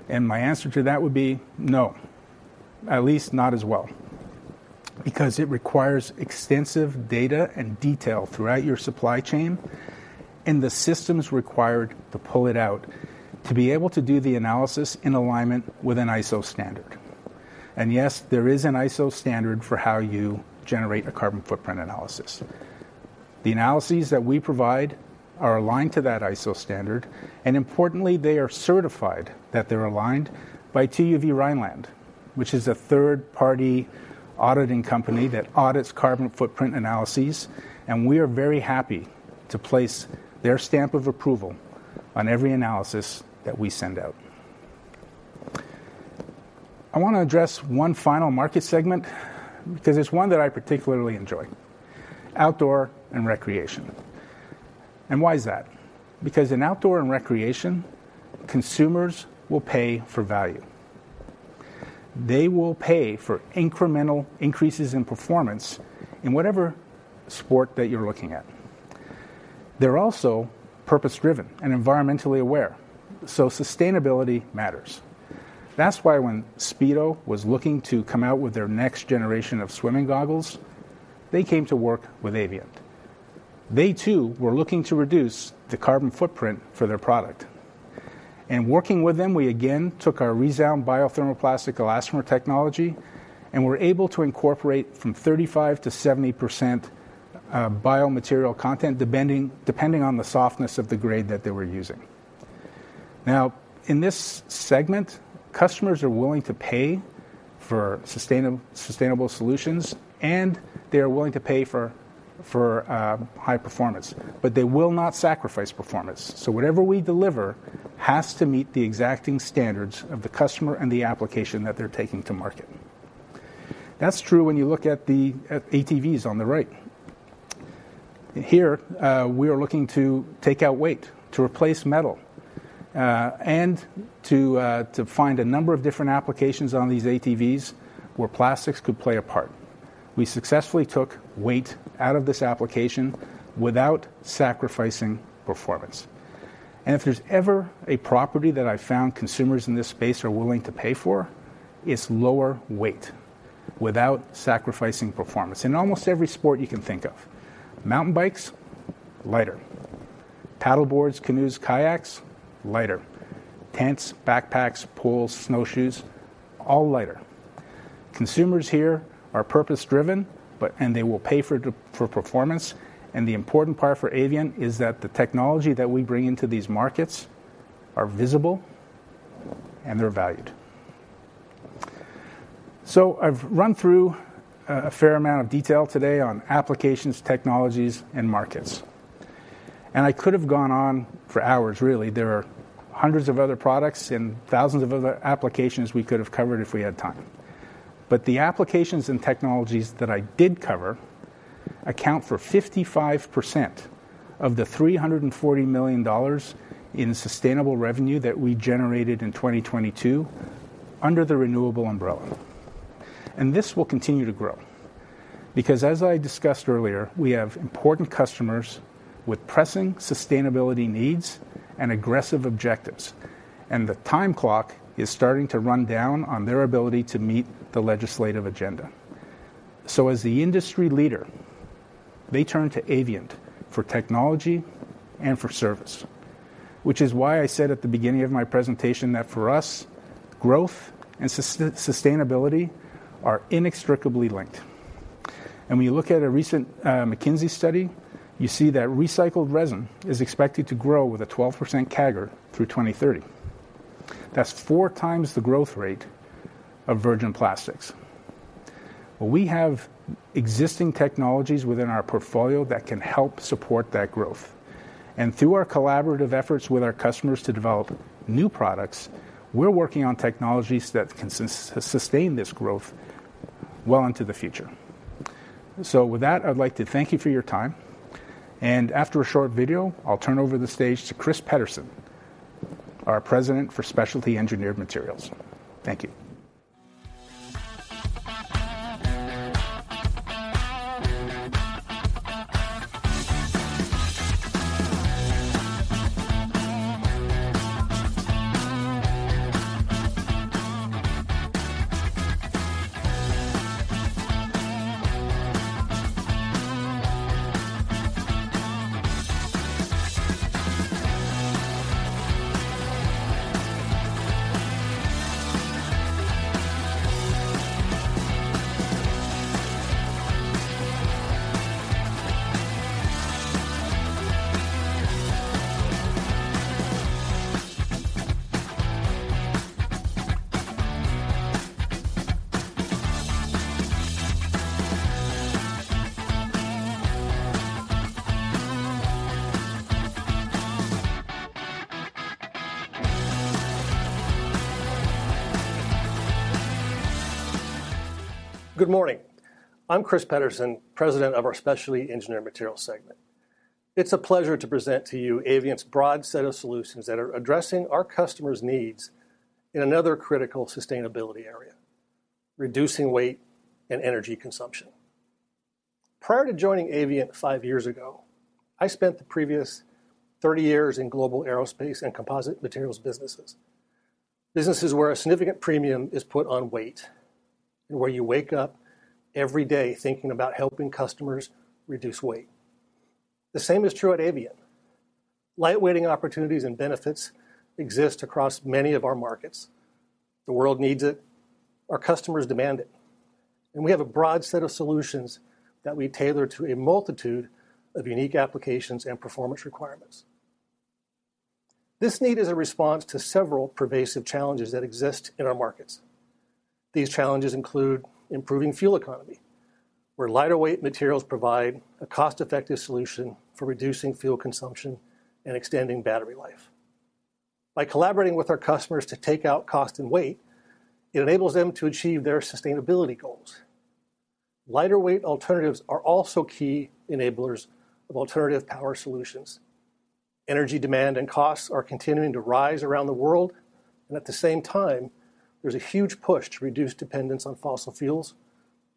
My answer to that would be no, at least not as well, because it requires extensive data and detail throughout your supply chain and the systems required to pull it out, to be able to do the analysis in alignment with an ISO standard. Yes, there is an ISO standard for how you generate a carbon footprint analysis. The analyses that we provide are aligned to that ISO standard, and importantly, they are certified that they're aligned by TÜV Rheinland, which is a third-party auditing company that audits carbon footprint analyses, and we are very happy to place their stamp of approval on every analysis that we send out. I want to address one final market segment because it's one that I particularly enjoy: outdoor and recreation. And why is that? Because in outdoor and recreation, consumers will pay for value. They will pay for incremental increases in performance in whatever sport that you're looking at. They're also purpose-driven and environmentally aware, so sustainability matters. That's why when Speedo was looking to come out with their next generation of swimming goggles, they came to work with Avient. They, too, were looking to reduce the carbon footprint for their product. Working with them, we again took our reSound bio thermoplastic elastomer technology and were able to incorporate 35%-70% biomaterial content, depending on the softness of the grade that they were using. Now, in this segment, customers are willing to pay for sustainable solutions, and they are willing to pay for high performance, but they will not sacrifice performance. So whatever we deliver has to meet the exacting standards of the customer and the application that they're taking to market. That's true when you look at the ATVs on the right. Here, we are looking to take out weight, to replace metal, and to find a number of different applications on these ATVs where plastics could play a part. We successfully took weight out of this application without sacrificing performance. If there's ever a property that I've found consumers in this space are willing to pay for, it's lower weight without sacrificing performance in almost every sport you can think of. Mountain bikes lighter, paddle boards, canoes, kayaks lighter, tents, backpacks, poles, snowshoes all lighter. Consumers here are purpose-driven, but and they will pay for the performance. And the important part for Avient is that the technology that we bring into these markets are visible and they're valued. So I've run through a fair amount of detail today on applications, technologies, and markets. And I could have gone on for hours, really. There are hundreds of other products and thousands of other applications we could have covered if we had time. But the applications and technologies that I did cover account for 55% of the $340 million in sustainable revenue that we generated in 2022 under the renewable umbrella. And this will continue to grow because, as I discussed earlier, we have important customers with pressing sustainability needs and aggressive objectives, and the time clock is starting to run down on their ability to meet the legislative agenda. So as the industry leader, they turn to Avient for technology and for service, which is why I said at the beginning of my presentation that for us, growth and sustainability are inextricably linked. And when you look at a recent McKinsey study, you see that recycled resin is expected to grow with a 12% CAGR through 2030. That's four times the growth rate of virgin plastics. Well, we have existing technologies within our portfolio that can help support that growth. And through our collaborative efforts with our customers to develop new products, we're working on technologies that can sustain this growth well into the future. So with that, I'd like to thank you for your time, and after a short video, I'll turn over the stage to Chris Pederson, our President for Specialty Engineered Materials. Thank you. Good morning. I'm Chris Pederson, President of our Specialty Engineered Materials segment. It's a pleasure to present to you Avient's broad set of solutions that are addressing our customers' needs in another critical sustainability area: reducing weight and energy consumption. Prior to joining Avient five years ago, I spent the previous 30 years in global aerospace and composite materials businesses. Businesses where a significant premium is put on weight and where you wake up every day thinking about helping customers reduce weight. The same is true at Avient. Lightweighting opportunities and benefits exist across many of our markets. The world needs it, our customers demand it, and we have a broad set of solutions that we tailor to a multitude of unique applications and performance requirements. This need is a response to several pervasive challenges that exist in our markets. These challenges include improving fuel economy. Where lighter weight materials provide a cost-effective solution for reducing fuel consumption and extending battery life. By collaborating with our customers to take out cost and weight, it enables them to achieve their sustainability goals. Lighter weight alternatives are also key enablers of alternative power solutions. Energy demand and costs are continuing to rise around the world, and at the same time, there's a huge push to reduce dependence on fossil fuels,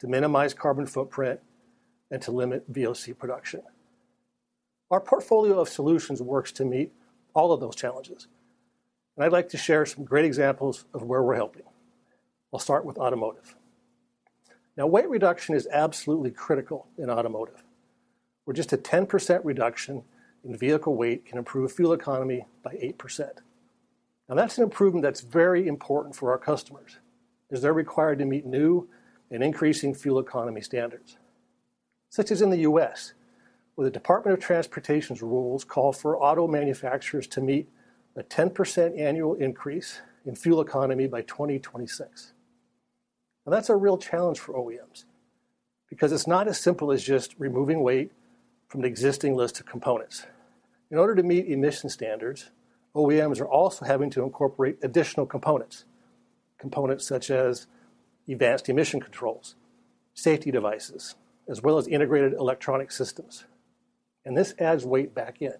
to minimize carbon footprint, and to limit VOC production. Our portfolio of solutions works to meet all of those challenges, and I'd like to share some great examples of where we're helping. I'll start with automotive. Now, weight reduction is absolutely critical in automotive, where just a 10% reduction in vehicle weight can improve fuel economy by 8%. Now, that's an improvement that's very important for our customers, as they're required to meet new and increasing fuel economy standards, such as in the U.S., where the Department of Transportation's rules call for auto manufacturers to meet a 10% annual increase in fuel economy by 2026. Now, that's a real challenge for OEMs because it's not as simple as just removing weight from the existing list of components. In order to meet emission standards, OEMs are also having to incorporate additional components. Components such as advanced emission controls, safety devices, as well as integrated electronic systems. This adds weight back in,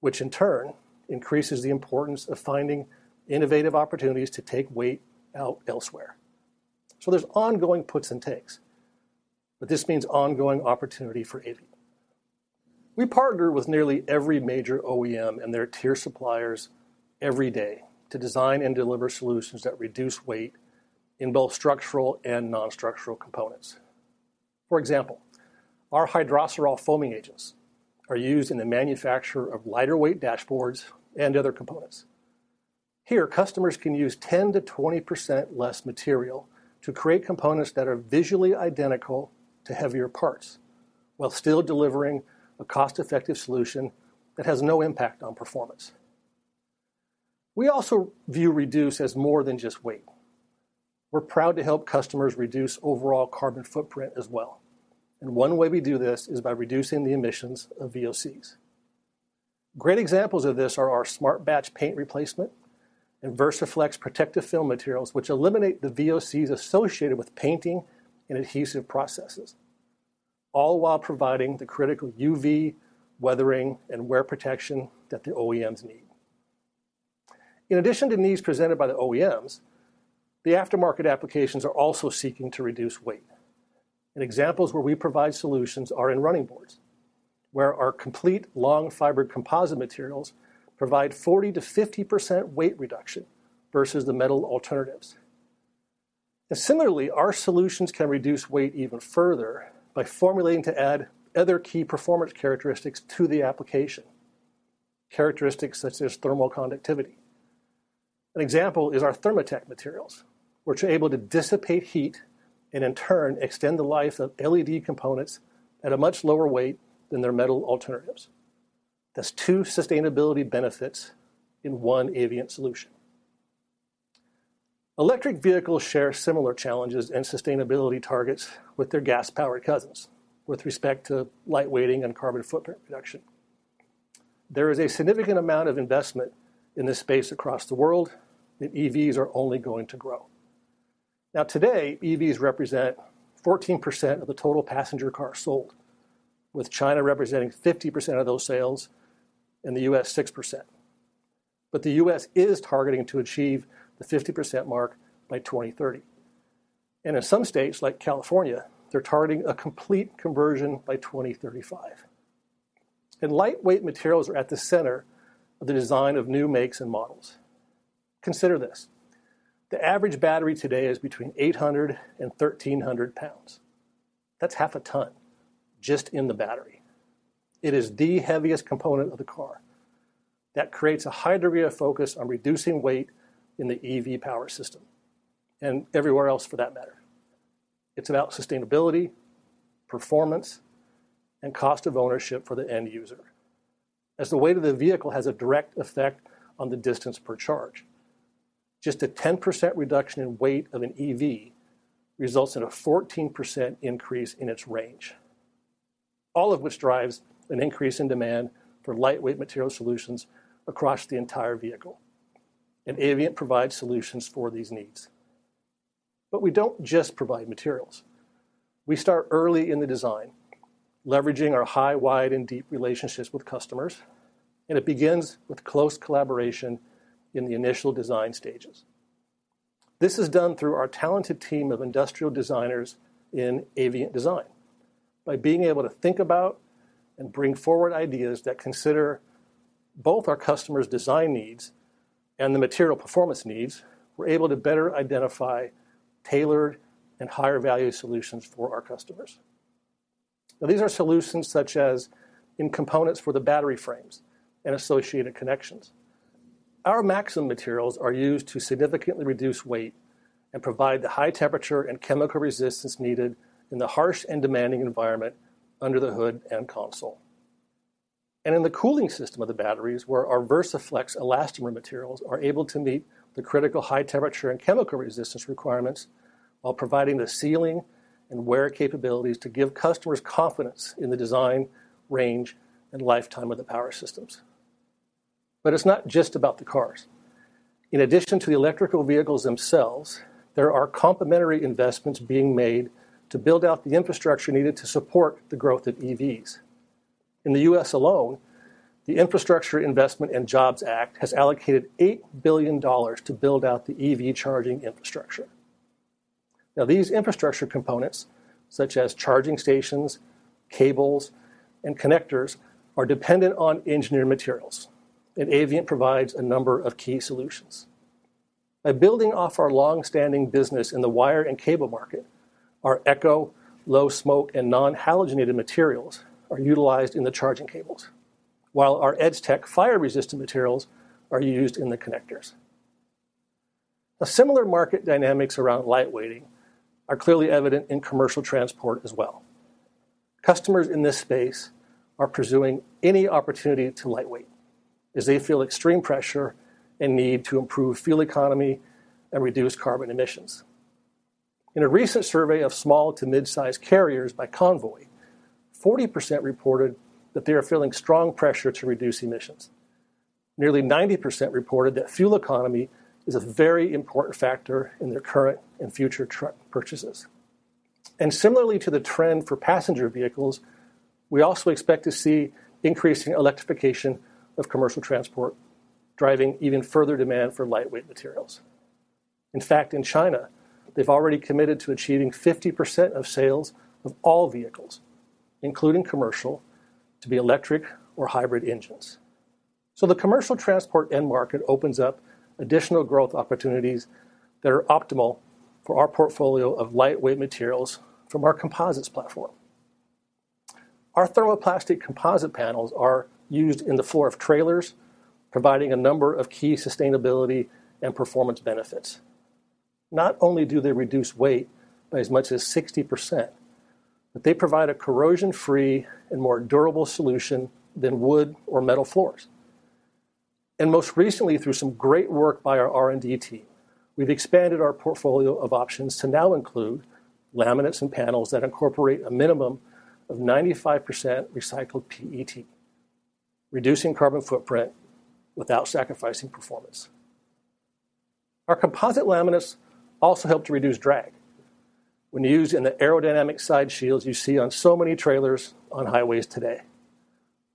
which in turn increases the importance of finding innovative opportunities to take weight out elsewhere. So there's ongoing puts and takes, but this means ongoing opportunity for Avient. We partner with nearly every major OEM and their tier suppliers every day to design and deliver solutions that reduce weight in both structural and non-structural components. For example, our Hydrocerol foaming agents are used in the manufacture of lighter weight dashboards and other components. Here, customers can use 10%-20% less material to create components that are visually identical to heavier parts, while still delivering a cost-effective solution that has no impact on performance. We also view reduce as more than just weight. We're proud to help customers reduce overall carbon footprint as well, and one way we do this is by reducing the emissions of VOCs. Great examples of this are our SmartBatch paint replacement and Versaflex protective film materials, which eliminate the VOCs associated with painting and adhesive processes, all while providing the critical UV, weathering, and wear protection that the OEMs need. In addition to needs presented by the OEMs, the aftermarket applications are also seeking to reduce weight, and examples where we provide solutions are in running boards, where our Complēt long fiber composite materials provide 40%-50% weight reduction versus the metal alternatives. Similarly, our solutions can reduce weight even further by formulating to add other key performance characteristics to the application, characteristics such as thermal conductivity. An example is our Therma-Tech materials, which are able to dissipate heat and in turn, extend the life of LED components at a much lower weight than their metal alternatives. That's two sustainability benefits in one Avient solution. Electric vehicles share similar challenges and sustainability targets with their gas-powered cousins with respect to lightweighting and carbon footprint reduction. There is a significant amount of investment in this space across the world, and EVs are only going to grow. Now today, EVs represent 14% of the total passenger cars sold, with China representing 50% of those sales and the U.S. 6%. But the U.S. is targeting to achieve the 50% mark by 2030. In some states, like California, they're targeting a complete conversion by 2035. Lightweight materials are at the center of the design of new makes and models. Consider this: The average battery today is between 800-1,300 lbs. That's half a ton just in the battery. It is the heaviest component of the car. That creates a high degree of focus on reducing weight in the EV power system, and everywhere else, for that matter. It's about sustainability, performance, and cost of ownership for the end user, as the weight of the vehicle has a direct effect on the distance per charge. A 10% reduction in weight of an EV results in a 14% increase in its range, all of which drives an increase in demand for lightweight material solutions across the entire vehicle. Avient provides solutions for these needs. We don't just provide materials. We start early in the design, leveraging our high, wide, and deep relationships with customers, and it begins with close collaboration in the initial design stages. This is done through our talented team of industrial designers in Avient Design. By being able to think about and bring forward ideas that consider both our customers' design needs and the material performance needs, we're able to better identify tailored and higher value solutions for our customers. These are solutions such as in components for the battery frames and associated connections. Our Maxxam materials are used to significantly reduce weight and provide the high temperature and chemical resistance needed in the harsh and demanding environment under the hood and console. And in the cooling system of the batteries, where our Versaflex elastomer materials are able to meet the critical high temperature and chemical resistance requirements, while providing the sealing and wear capabilities to give customers confidence in the design, range, and lifetime of the power systems. But it's not just about the cars. In addition to the electric vehicles themselves, there are complementary investments being made to build out the infrastructure needed to support the growth of EVs. In the U.S. alone, the Infrastructure Investment and Jobs Act has allocated $8 billion to build out the EV charging infrastructure. Now, these infrastructure components, such as charging stations, cables, and connectors, are dependent on engineered materials, and Avient provides a number of key solutions. By building off our long-standing business in the wire and cable market, our ECCOH, low smoke, and non-halogenated materials are utilized in the charging cables, while our Edgetek fire-resistant materials are used in the connectors. The similar market dynamics around lightweighting are clearly evident in commercial transport as well. Customers in this space are pursuing any opportunity to lightweight as they feel extreme pressure and need to improve fuel economy and reduce carbon emissions. In a recent survey of small to mid-size carriers by Convoy, 40% reported that they are feeling strong pressure to reduce emissions. Nearly 90% reported that fuel economy is a very important factor in their current and future truck purchases. Similarly to the trend for passenger vehicles, we also expect to see increasing electrification of commercial transport, driving even further demand for lightweight materials. In fact, in China, they've already committed to achieving 50% of sales of all vehicles, including commercial, to be electric or hybrid engines. The commercial transport end market opens up additional growth opportunities that are optimal for our portfolio of lightweight materials from our composites platform. Our thermoplastic composite panels are used in the floor of trailers, providing a number of key sustainability and performance benefits. Not only do they reduce weight by as much as 60%, but they provide a corrosion-free and more durable solution than wood or metal floors. Most recently, through some great work by our R&D team, we've expanded our portfolio of options to now include laminates and panels that incorporate a minimum of 95% recycled PET, reducing carbon footprint without sacrificing performance. Our composite laminates also help to reduce drag. When used in the aerodynamic side shields you see on so many trailers on highways today,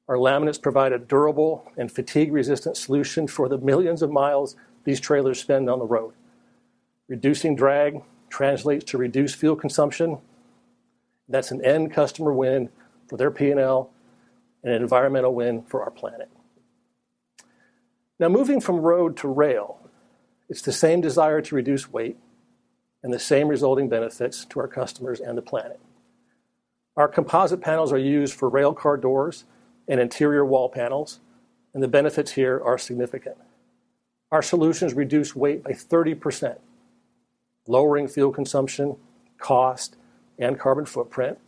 our laminates provide a durable and fatigue-resistant solution for the millions of miles these trailers spend on the road. Reducing drag translates to reduced fuel consumption. That's an end customer win for their P&L and an environmental win for our planet. Now, moving from road to rail, it's the same desire to reduce weight and the same resulting benefits to our customers and the planet. Our composite panels are used for rail car doors and interior wall panels, and the benefits here are significant. Our solutions reduce weight by 30%, lowering fuel consumption, cost, and carbon footprint,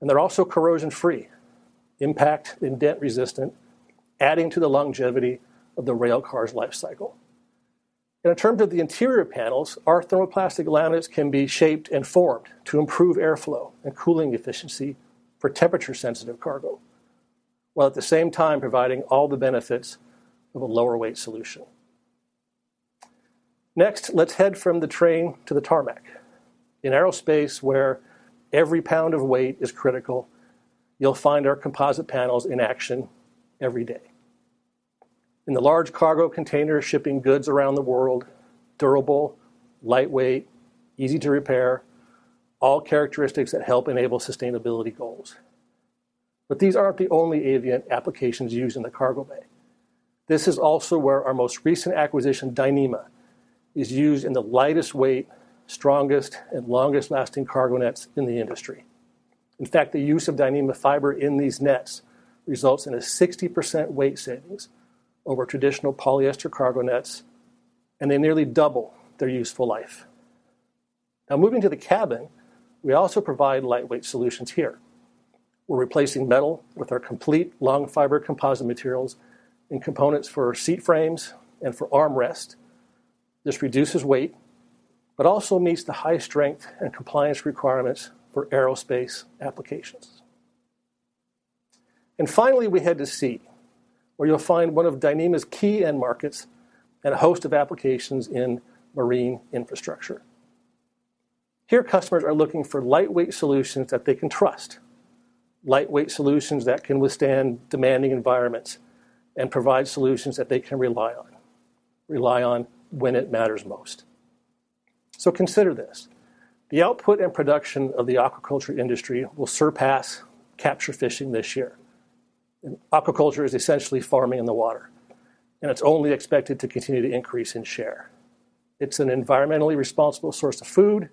and they're also corrosion-free, impact and dent-resistant, adding to the longevity of the rail car's life cycle. In terms of the interior panels, our thermoplastic laminates can be shaped and formed to improve airflow and cooling efficiency for temperature-sensitive cargo, while at the same time providing all the benefits of a lower weight solution. Next, let's head from the train to the tarmac. In aerospace, where every pound of weight is critical, you'll find our composite panels in action every day. In the large cargo container, shipping goods around the world, durable, lightweight, easy to repair, all characteristics that help enable sustainability goals. But these aren't the only Avient applications used in the cargo bay. This is also where our most recent acquisition, Dyneema, is used in the lightest weight, strongest, and longest-lasting cargo nets in the industry. In fact, the use of Dyneema fiber in these nets results in a 60% weight savings over traditional polyester cargo nets, and they nearly double their useful life. Now, moving to the cabin, we also provide lightweight solutions here. We're replacing metal with our complete long fiber composite materials and components for seat frames and for armrests. This reduces weight but also meets the high strength and compliance requirements for aerospace applications. And finally, we head to sea, where you'll find one of Dyneema's key end markets and a host of applications in marine infrastructure. Here, customers are looking for lightweight solutions that they can trust, lightweight solutions that can withstand demanding environments and provide solutions that they can rely on, rely on when it matters most. So consider this: The output and production of the aquaculture industry will surpass capture fishing this year. Aquaculture is essentially farming in the water, and it's only expected to continue to increase in share. It's an environmentally responsible source of food,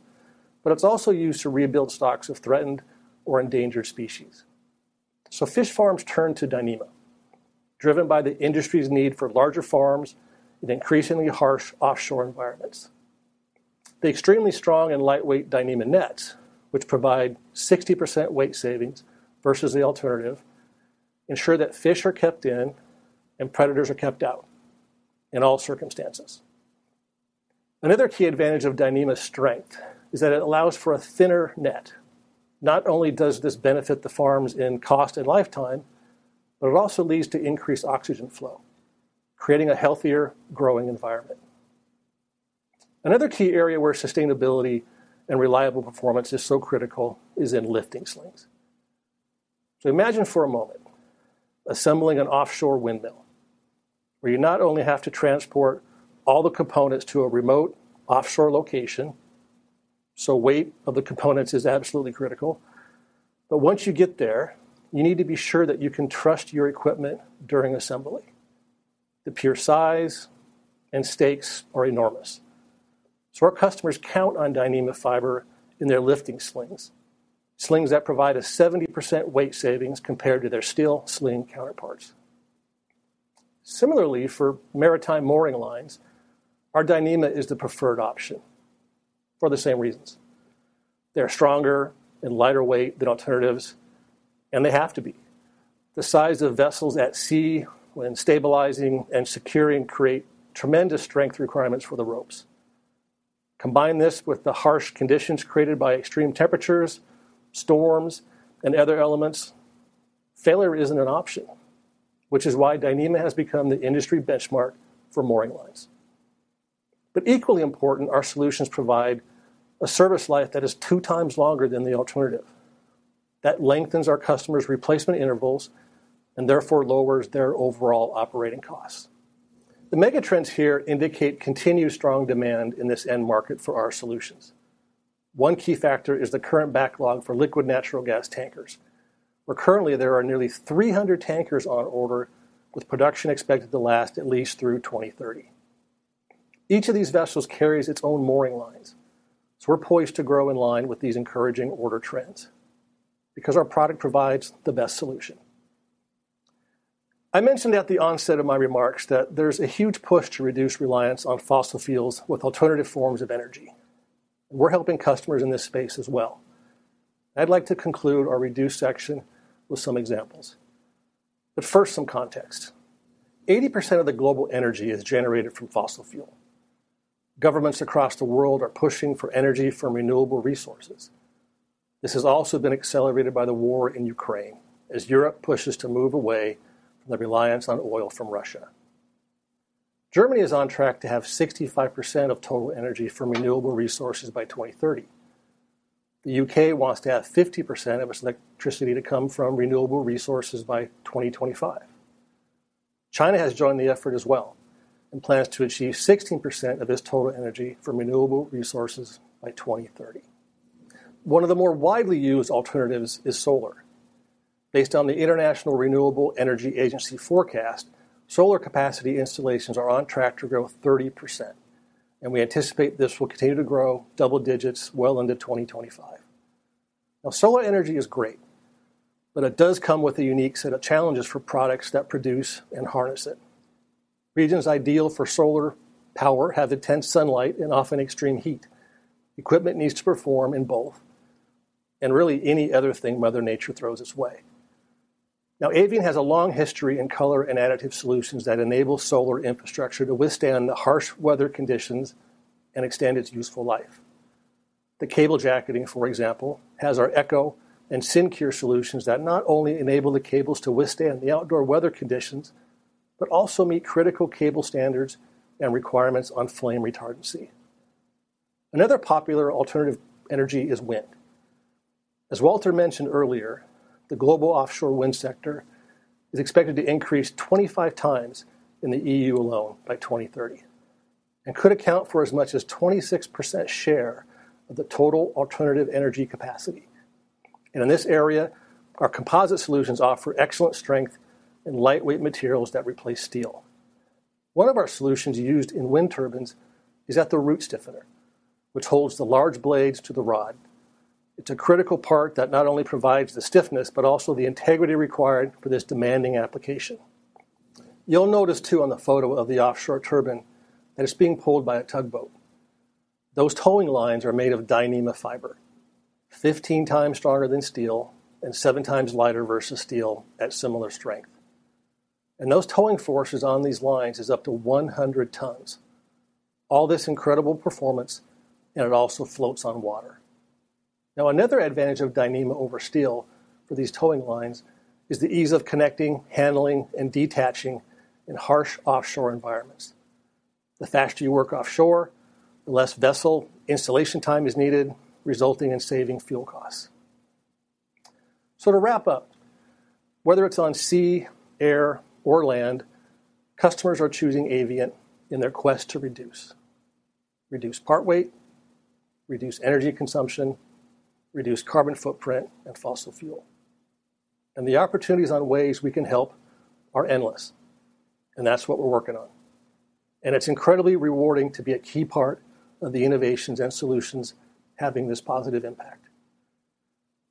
but it's also used to rebuild stocks of threatened or endangered species. So fish farms turn to Dyneema, driven by the industry's need for larger farms in increasingly harsh offshore environments. The extremely strong and lightweight Dyneema nets, which provide 60% weight savings versus the alternative, ensure that fish are kept in and predators are kept out in all circumstances. Another key advantage of Dyneema's strength is that it allows for a thinner net. Not only does this benefit the farms in cost and lifetime, but it also leads to increased oxygen flow, creating a healthier growing environment. Another key area where sustainability and reliable performance is so critical is in lifting slings. So imagine for a moment, assembling an offshore windmill, where you not only have to transport all the components to a remote offshore location, so weight of the components is absolutely critical, but once you get there, you need to be sure that you can trust your equipment during assembly. The pure size and stakes are enormous. So our customers count on Dyneema fiber in their lifting slings, slings that provide a 70% weight savings compared to their steel sling counterparts. Similarly, for maritime mooring lines, our Dyneema is the preferred option for the same reasons. They're stronger and lighter weight than alternatives, and they have to be. The size of vessels at sea when stabilizing and securing create tremendous strength requirements for the ropes. Combine this with the harsh conditions created by extreme temperatures, storms, and other elements. Failure isn't an option, which is why Dyneema has become the industry benchmark for mooring lines. But equally important, our solutions provide a service life that is two times longer than the alternative. That lengthens our customers' replacement intervals and therefore lowers their overall operating costs. The mega trends here indicate continued strong demand in this end market for our solutions. One key factor is the current backlog for liquid natural gas tankers, where currently there are nearly 300 tankers on order, with production expected to last at least through 2030. Each of these vessels carries its own mooring lines, so we're poised to grow in line with these encouraging order trends because our product provides the best solution. I mentioned at the onset of my remarks that there's a huge push to reduce reliance on fossil fuels with alternative forms of energy. We're helping customers in this space as well. I'd like to conclude our reduced section with some examples, but first, some context. 80% of the global energy is generated from fossil fuel. Governments across the world are pushing for energy from renewable resources. This has also been accelerated by the war in Ukraine, as Europe pushes to move away from the reliance on oil from Russia. Germany is on track to have 65% of total energy from renewable resources by 2030. The U.K. wants to have 50% of its electricity to come from renewable resources by 2025. China has joined the effort as well, and plans to achieve 16% of its total energy from renewable resources by 2030. One of the more widely used alternatives is solar. Based on the International Renewable Energy Agency forecast, solar capacity installations are on track to grow 30%, and we anticipate this will continue to grow double digits well into 2025. Now, solar energy is great, but it does come with a unique set of challenges for products that produce and harness it. Regions ideal for solar power have intense sunlight and often extreme heat. Equipment needs to perform in both, and really any other thing Mother Nature throws its way. Now, Avient has a long history in color and additive solutions that enable solar infrastructure to withstand the harsh weather conditions and extend its useful life. The cable jacketing, for example, has our ECCOH and Syncure solutions that not only enable the cables to withstand the outdoor weather conditions, but also meet critical cable standards and requirements on flame retardancy. Another popular alternative energy is wind. As Walter mentioned earlier, the global offshore wind sector is expected to increase 25x in the E.U. alone by 2030, and could account for as much as 26% share of the total alternative energy capacity. In this area, our composite solutions offer excellent strength and lightweight materials that replace steel. One of our solutions used in wind turbines is at the root stiffener, which holds the large blades to the rod. It's a critical part that not only provides the stiffness, but also the integrity required for this demanding application. You'll notice, too, on the photo of the offshore turbine, that it's being pulled by a tugboat. Those towing lines are made of Dyneema fiber, 15 times stronger than steel and seven times lighter versus steel at similar strength. And those towing forces on these lines is up to 100 tons. All this incredible performance, and it also floats on water. Now, another advantage of Dyneema over steel for these towing lines is the ease of connecting, handling, and detaching in harsh offshore environments. The faster you work offshore, the less vessel installation time is needed, resulting in saving fuel costs. So to wrap up, whether it's on sea, air, or land, customers are choosing Avient in their quest to reduce: reduce part weight, reduce energy consumption, reduce carbon footprint and fossil fuel. And the opportunities on ways we can help are endless, and that's what we're working on. And it's incredibly rewarding to be a key part of the innovations and solutions having this positive impact...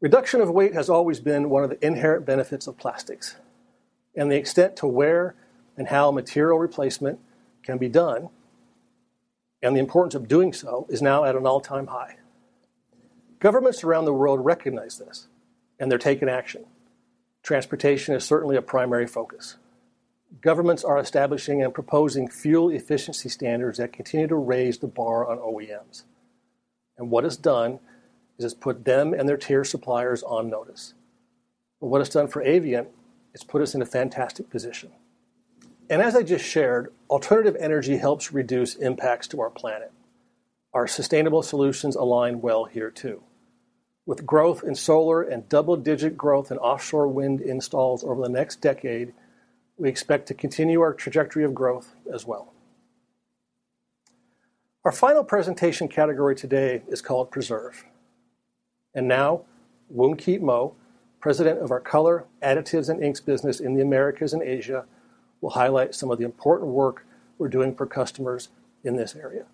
Reduction of weight has always been one of the inherent benefits of plastics, and the extent to where and how material replacement can be done, and the importance of doing so, is now at an all-time high. Governments around the world recognize this, and they're taking action. Transportation is certainly a primary focus. Governments are establishing and proposing fuel efficiency standards that continue to raise the bar on OEMs. And what it's done, is it's put them and their tier suppliers on notice. What it's done for Avient, it's put us in a fantastic position. As I just shared, alternative energy helps reduce impacts to our planet. Our sustainable solutions align well here, too. With growth in solar and double-digit growth in offshore wind installs over the next decade, we expect to continue our trajectory of growth as well. Our final presentation category today is called Preserve. Now, Woon Keat Moh, President of our Color, Additives, and Inks business in the Americas and Asia, will highlight some of the important work we're doing for customers in this area.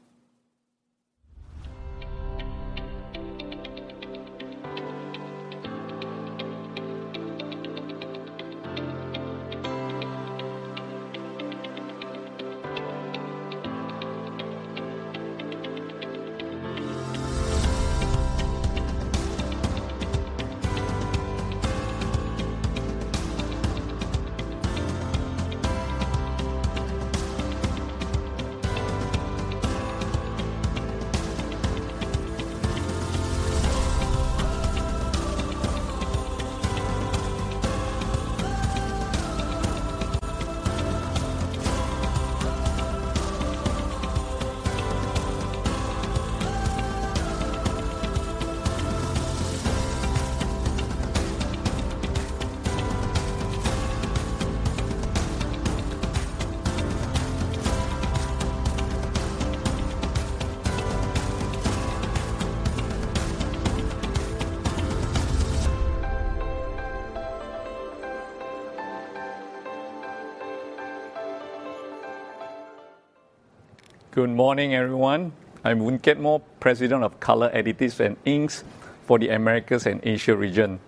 Good morning, everyone. I'm Woon Keat Moh, President of Color, Additives and Inks, Americas and Asia.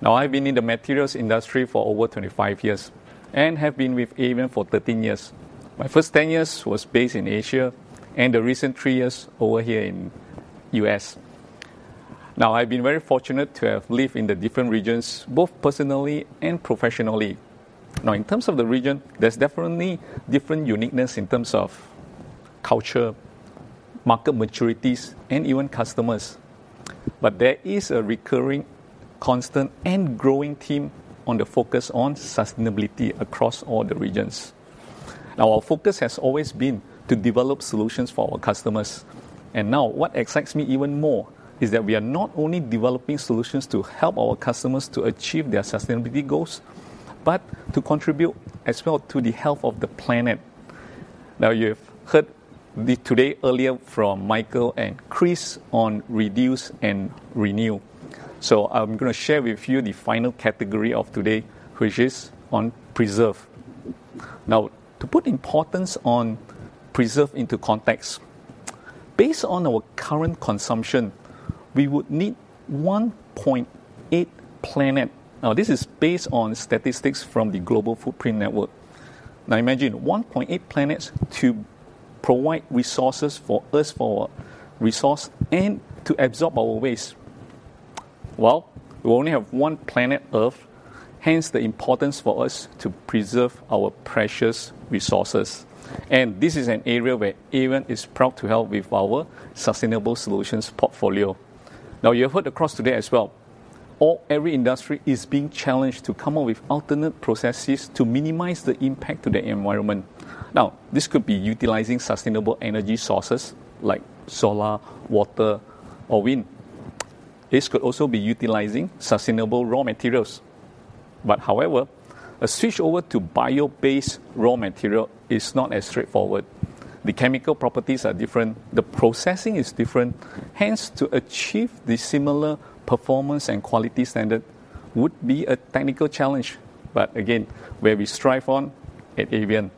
Now, I've been in the materials industry for over 25 years and have been with Avient for 13 years. My first 10 years was based in Asia, and the recent three years over here in U.S. now, I've been very fortunate to have lived in the different regions, both personally and professionally. Now, in terms of the region, there's definitely different uniqueness in terms of culture, market maturities, and even customers. But there is a recurring, constant, and growing theme on the focus on sustainability across all the regions. Now, our focus has always been to develop solutions for our customers. And now, what excites me even more is that we are not only developing solutions to help our customers to achieve their sustainability goals, but to contribute as well to the health of the planet. Now, you've heard me today earlier from Michael and Chris on reduce and renew. So I'm gonna share with you the final category of today, which is on preserve. Now, to put importance on preserve into context, based on our current consumption, we would need 1.8 planet. Now, this is based on statistics from the Global Footprint Network. Now, imagine 1.8 planets to provide resources for us, for our resource and to absorb our waste. Well, we only have one planet Earth, hence the importance for us to preserve our precious resources. And this is an area where Avient is proud to help with our sustainable solutions portfolio. Now, you have heard across today as well, every industry is being challenged to come up with alternate processes to minimize the impact to the environment. This could be utilizing sustainable energy sources like solar, water, or wind. This could also be utilizing sustainable raw materials. However, a switch over to bio-based raw material is not as straightforward. The chemical properties are different, the processing is different. Hence, to achieve the similar performance and quality standard would be a technical challenge, but again, where we strive on at Avient.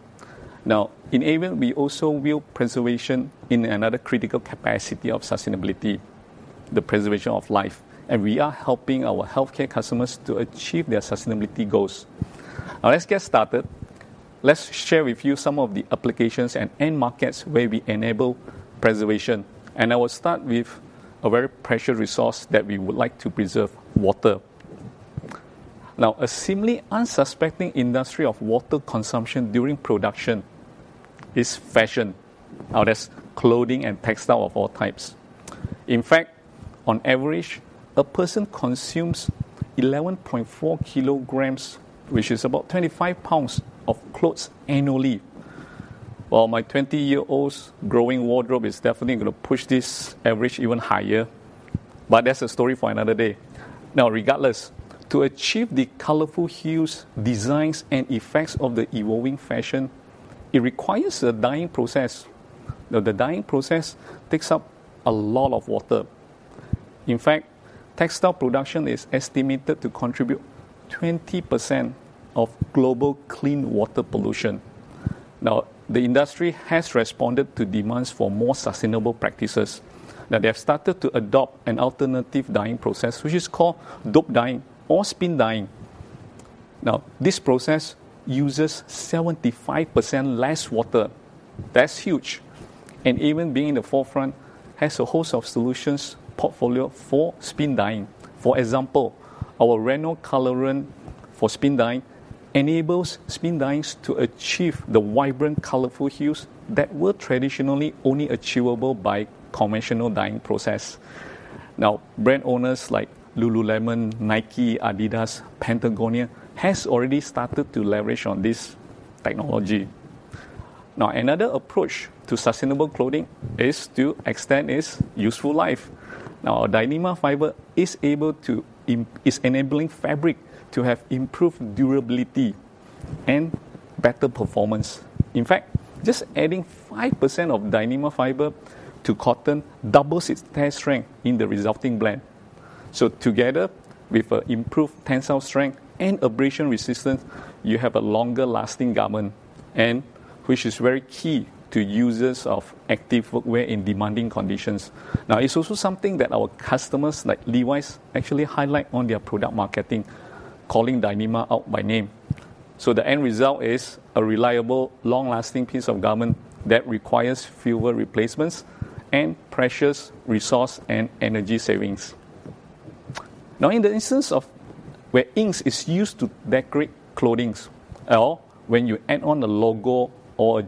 Now, in Avient, we also view preservation in another critical capacity of sustainability, the preservation of life, and we are helping our healthcare customers to achieve their sustainability goals. Now, let's get started. Let's share with you some of the applications and end markets where we enable preservation. I will start with a very precious resource that we would like to preserve, water. Now, a seemingly unsuspecting industry of water consumption during production is fashion. Now, that's clothing and textile of all types. In fact, on average, a person consumes 11.4 kg, which is about 25 lbs of clothes annually. Well, my 20-year-old's growing wardrobe is definitely gonna push this average even higher, but that's a story for another day. Now, regardless, to achieve the colorful hues, designs, and effects of the evolving fashion, it requires a dyeing process. Now, the dyeing process takes up a lot of water. In fact, textile production is estimated to contribute 20% of global clean water pollution. Now, the industry has responded to demands for more sustainable practices. Now, they have started to adopt an alternative dyeing process, which is called dope dyeing or spin dyeing. Now, this process uses 75% less water. That's huge, and Avient, being in the forefront, has a host of solutions portfolio for spin dyeing. For example, our Renol colorant for spin dyeing enables spin dyeings to achieve the vibrant, colorful hues that were traditionally only achievable by conventional dyeing process. Now, brand owners like Lululemon, Nike, Adidas, Patagonia, has already started to leverage on this technology. Now, another approach to sustainable clothing is to extend its useful life. Now, our Dyneema fiber is able to is enabling fabric to have improved durability and better performance. In fact, just adding 5% of Dyneema fiber to cotton doubles its tear strength in the resulting blend. So together with, improved tensile strength and abrasion resistance, you have a longer lasting garment, and which is very key to users of activewear in demanding conditions. Now, it's also something that our customers, like Levi's, actually highlight on their product marketing, calling Dyneema out by name. So the end result is a reliable, long-lasting piece of garment that requires fewer replacements and precious resource and energy savings. Now, in the instance of where ink is used to decorate clothing, or when you add on a logo or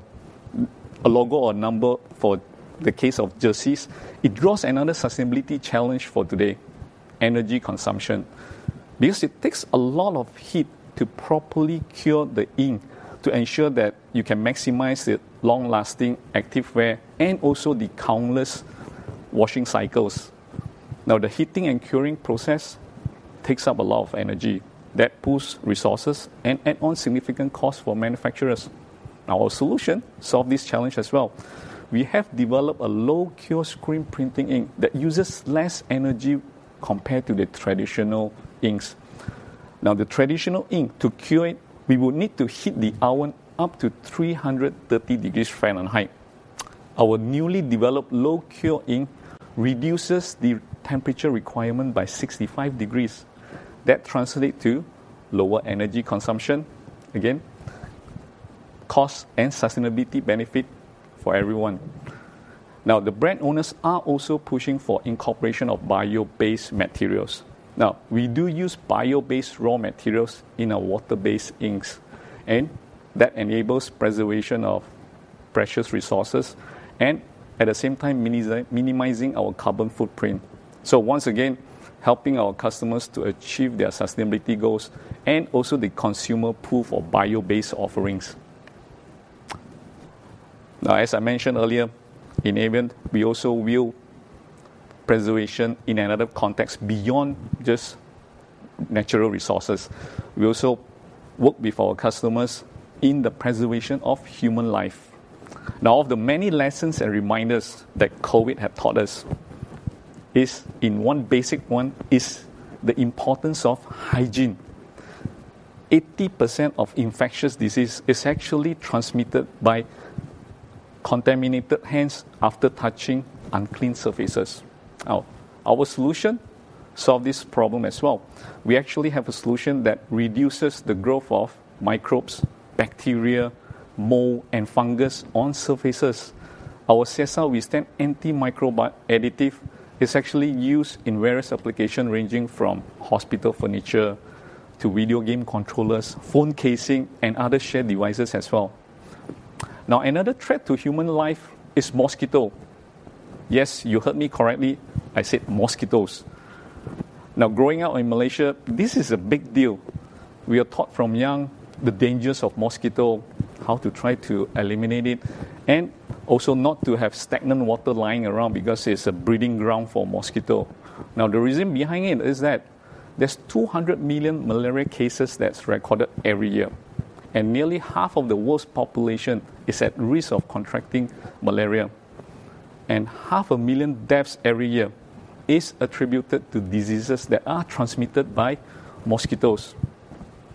a logo or number for the case of jerseys, it draws another sustainability challenge for today: energy consumption. It takes a lot of heat to properly cure the ink to ensure that you can maximize the long-lasting activewear and also the countless washing cycles. Now, the heating and curing process takes up a lot of energy. That boosts resources and add on significant cost for manufacturers. Our solution solve this challenge as well. We have developed a low-cure screen printing ink that uses less energy compared to the traditional inks. Now, the traditional ink, to cure it, we will need to heat the oven up to 330 degrees Fahrenheit. Our newly developed low-cure ink reduces the temperature requirement by 65 degrees. That translate to lower energy consumption, again, cost and sustainability benefit for everyone. Now, the brand owners are also pushing for incorporation of bio-based materials. Now, we do use bio-based raw materials in our water-based inks, and that enables preservation of precious resources and, at the same time, minimizing our carbon footprint. So once again, helping our customers to achieve their sustainability goals and also the consumer proof of bio-based offerings. Now, as I mentioned earlier, in Avient, we also view preservation in another context beyond just natural resources. We also work with our customers in the preservation of human life. Now, of the many lessons and reminders that COVID have taught us is, in one basic one, is the importance of hygiene. 80% of infectious disease is actually transmitted by contaminated hands after touching unclean surfaces. Now, our solution solve this problem as well. We actually have a solution that reduces the growth of microbes, bacteria, mold, and fungus on surfaces. Our Cesa Withstand antimicrobial additive is actually used in various application, ranging from hospital furniture to video game controllers, phone casing, and other shared devices as well. Now, another threat to human life is mosquito. Yes, you heard me correctly. I said mosquitoes. Now, growing up in Malaysia, this is a big deal. We are taught from young the dangers of mosquito, how to try to eliminate it, and also not to have stagnant water lying around because it's a breeding ground for mosquito. Now, the reason behind it is that there's 200 million malaria cases that's recorded every year, and nearly half of the world's population is at risk of contracting malaria. Half a million deaths every year is attributed to diseases that are transmitted by mosquitoes.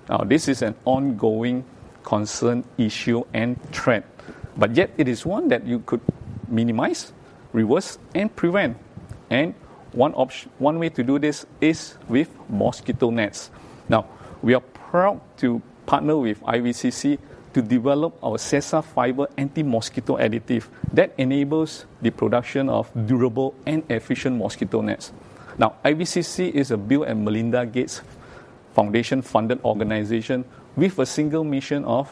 Now, this is an ongoing concern, issue, and trend, but yet it is one that you could minimize, reverse, and prevent. One way to do this is with mosquito nets. Now, we are proud to partner with IVCC to develop our Cesa Fiber anti-mosquito additive that enables the production of durable and efficient mosquito nets. Now, IVCC is a Bill and Melinda Gates Foundation-funded organization with a single mission of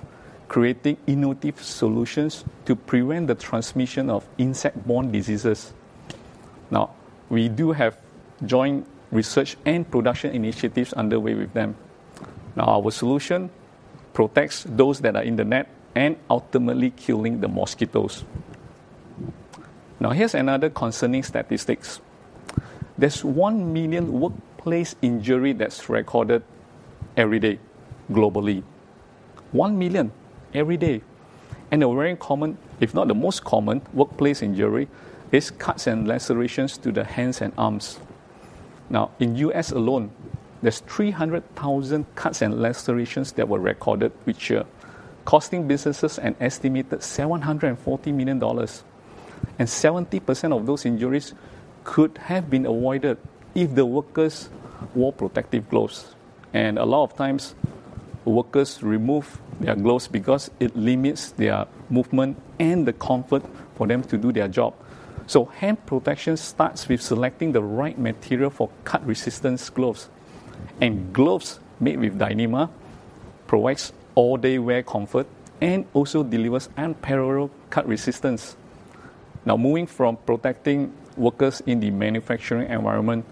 creating innovative solutions to prevent the transmission of insect-borne diseases. Now, we do have joint research and production initiatives underway with them. Now, our solution protects those that are in the net and ultimately killing the mosquitoes. Now, here's another concerning statistics. There's 1 million workplace injury that's recorded every day globally. 1 million every day, and a very common, if not the most common, workplace injury is cuts and lacerations to the hands and arms.... Now, in U.S. alone, there's 300,000 cuts and lacerations that were recorded each year, costing businesses an estimated $740 million, and 70% of those injuries could have been avoided if the workers wore protective gloves. A lot of times, workers remove their gloves because it limits their movement and the comfort for them to do their job. Hand protection starts with selecting the right material for cut resistance gloves. Gloves made with Dyneema provide all-day wear comfort and also deliver unparalleled cut resistance. Now, moving from protecting workers in the manufacturing environment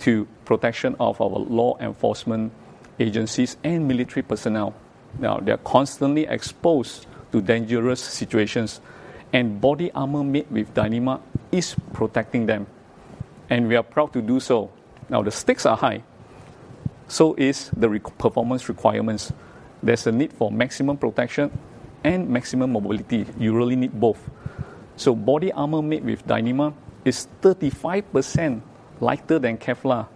to protection of our law enforcement agencies and military personnel. They are constantly exposed to dangerous situations, and body armor made with Dyneema is protecting them, and we are proud to do so. The stakes are high, so are the performance requirements. There's a need for maximum protection and maximum mobility. You really need both. Body armor made with Dyneema is 35% lighter than Kevlar.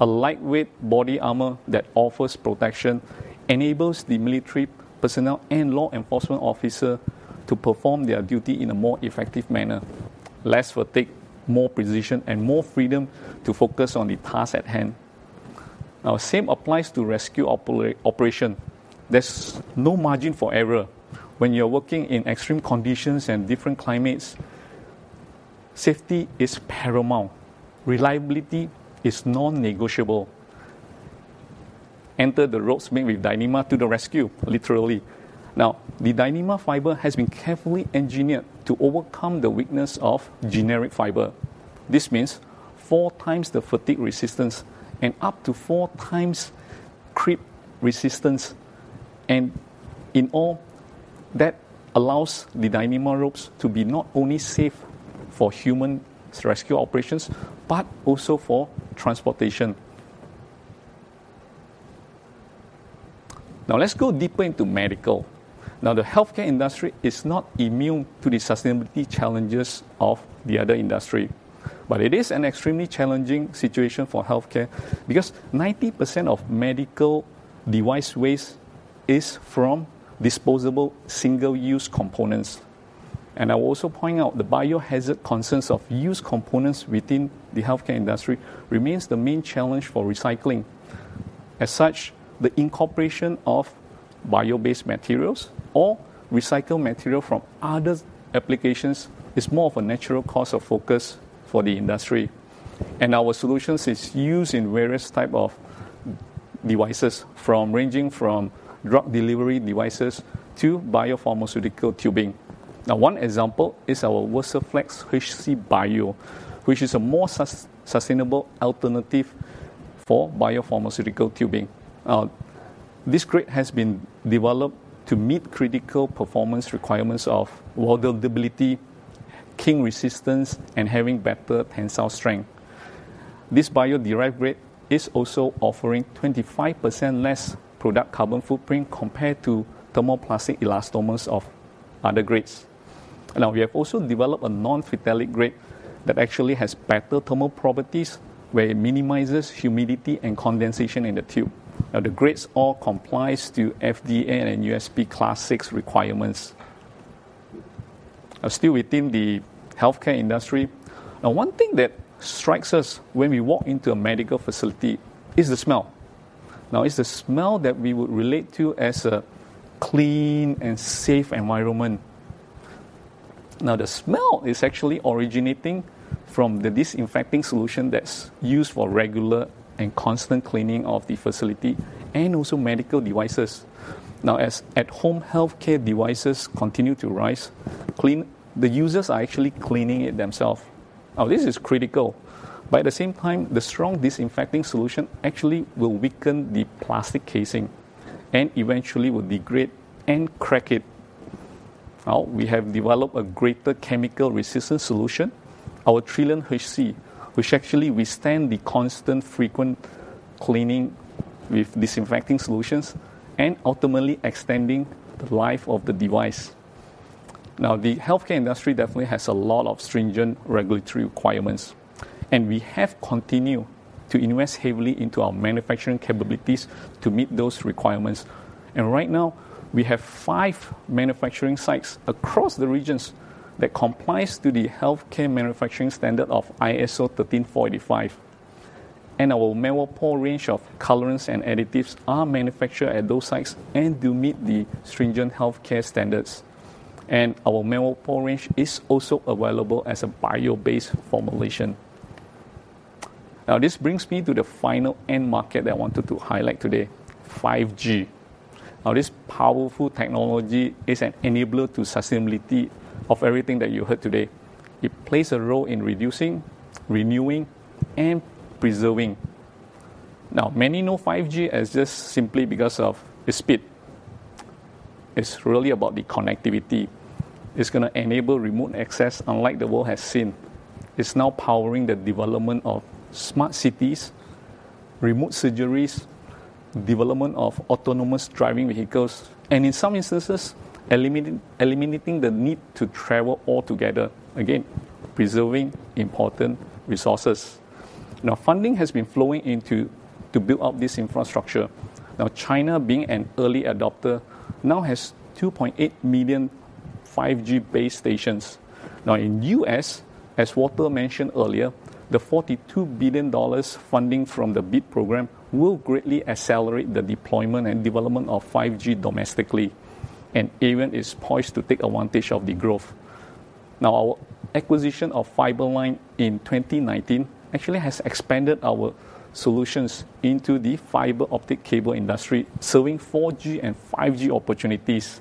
A lightweight body armor that offers protection, enables the military personnel and law enforcement officer to perform their duty in a more effective manner. Less fatigue, more precision, and more freedom to focus on the task at hand. Now, same applies to rescue operation. There's no margin for error. When you're working in extreme conditions and different climates, safety is paramount. Reliability is non-negotiable. Enter the ropes made with Dyneema to the rescue, literally. Now, the Dyneema fiber has been carefully engineered to overcome the weakness of generic fiber. This means four times the fatigue resistance and up to four times creep resistance, and in all, that allows the Dyneema ropes to be not only safe for human rescue operations, but also for transportation. Now, let's go deeper into medical. Now, the healthcare industry is not immune to the sustainability challenges of the other industry, but it is an extremely challenging situation for healthcare because 90% of medical device waste is from disposable, single-use components. I will also point out the biohazard concerns of used components within the healthcare industry remains the main challenge for recycling. As such, the incorporation of bio-based materials or recycled material from other applications is more of a natural cause of focus for the industry. Our solutions is used in various type of devices, ranging from drug delivery devices to biopharmaceutical tubing. One example is our Versaflex HC Bio, which is a more sustainable alternative for biopharmaceutical tubing. This grade has been developed to meet critical performance requirements of weldability, kink resistance, and having better tensile strength. This bio-derived grade is also offering 25% less product carbon footprint compared to thermoplastic elastomers of other grades. Now, we have also developed a non-phthalate grade that actually has better thermal properties, where it minimizes humidity and condensation in the tube. Now, the grades all comply with FDA and USP Class VI requirements. Still within the healthcare industry, now, one thing that strikes us when we walk into a medical facility is the smell. Now, it's the smell that we would relate to as a clean and safe environment. Now, the smell is actually originating from the disinfecting solution that's used for regular and constant cleaning of the facility and also medical devices. Now, as at-home healthcare devices continue to rise, cleaning, the users are actually cleaning it themselves. Now, this is critical, but at the same time, the strong disinfecting solution actually will weaken the plastic casing and eventually will degrade and crack it. Now, we have developed a greater chemical resistant solution, our Trilliant HC, which actually withstand the constant frequent cleaning with disinfecting solutions and ultimately extending the life of the device. Now, the healthcare industry definitely has a lot of stringent regulatory requirements, and we have continued to invest heavily into our manufacturing capabilities to meet those requirements. And right now, we have five manufacturing sites across the regions that complies to the healthcare manufacturing standard of ISO 13485. And our Mevopur range of colorants and additives are manufactured at those sites and do meet the stringent healthcare standards. And our Mevopur range is also available as a bio-based formulation. Now, this brings me to the final end market that I wanted to highlight today, 5G. Now, this powerful technology is an enabler to sustainability of everything that you heard today. It plays a role in reducing, renewing, and preserving. Now, many know 5G as just simply because of the speed. It's really about the connectivity. It's gonna enable remote access unlike the world has seen. It's now powering the development of smart cities, remote surgeries, development of autonomous driving vehicles, and in some instances, eliminating, eliminating the need to travel altogether. Again, preserving important resources. Now, funding has been flowing into to build out this infrastructure. Now, China, being an early adopter, now has 2.8 million 5G base stations. Now, in the U.S., as Walter mentioned earlier, the $42 billion funding from the BIP program will greatly accelerate the deployment and development of 5G domestically, and Avient is poised to take advantage of the growth. Now, our acquisition of Fiber-Line in 2019 actually has expanded our solutions into the fiber optic cable industry, serving 4G and 5G opportunities.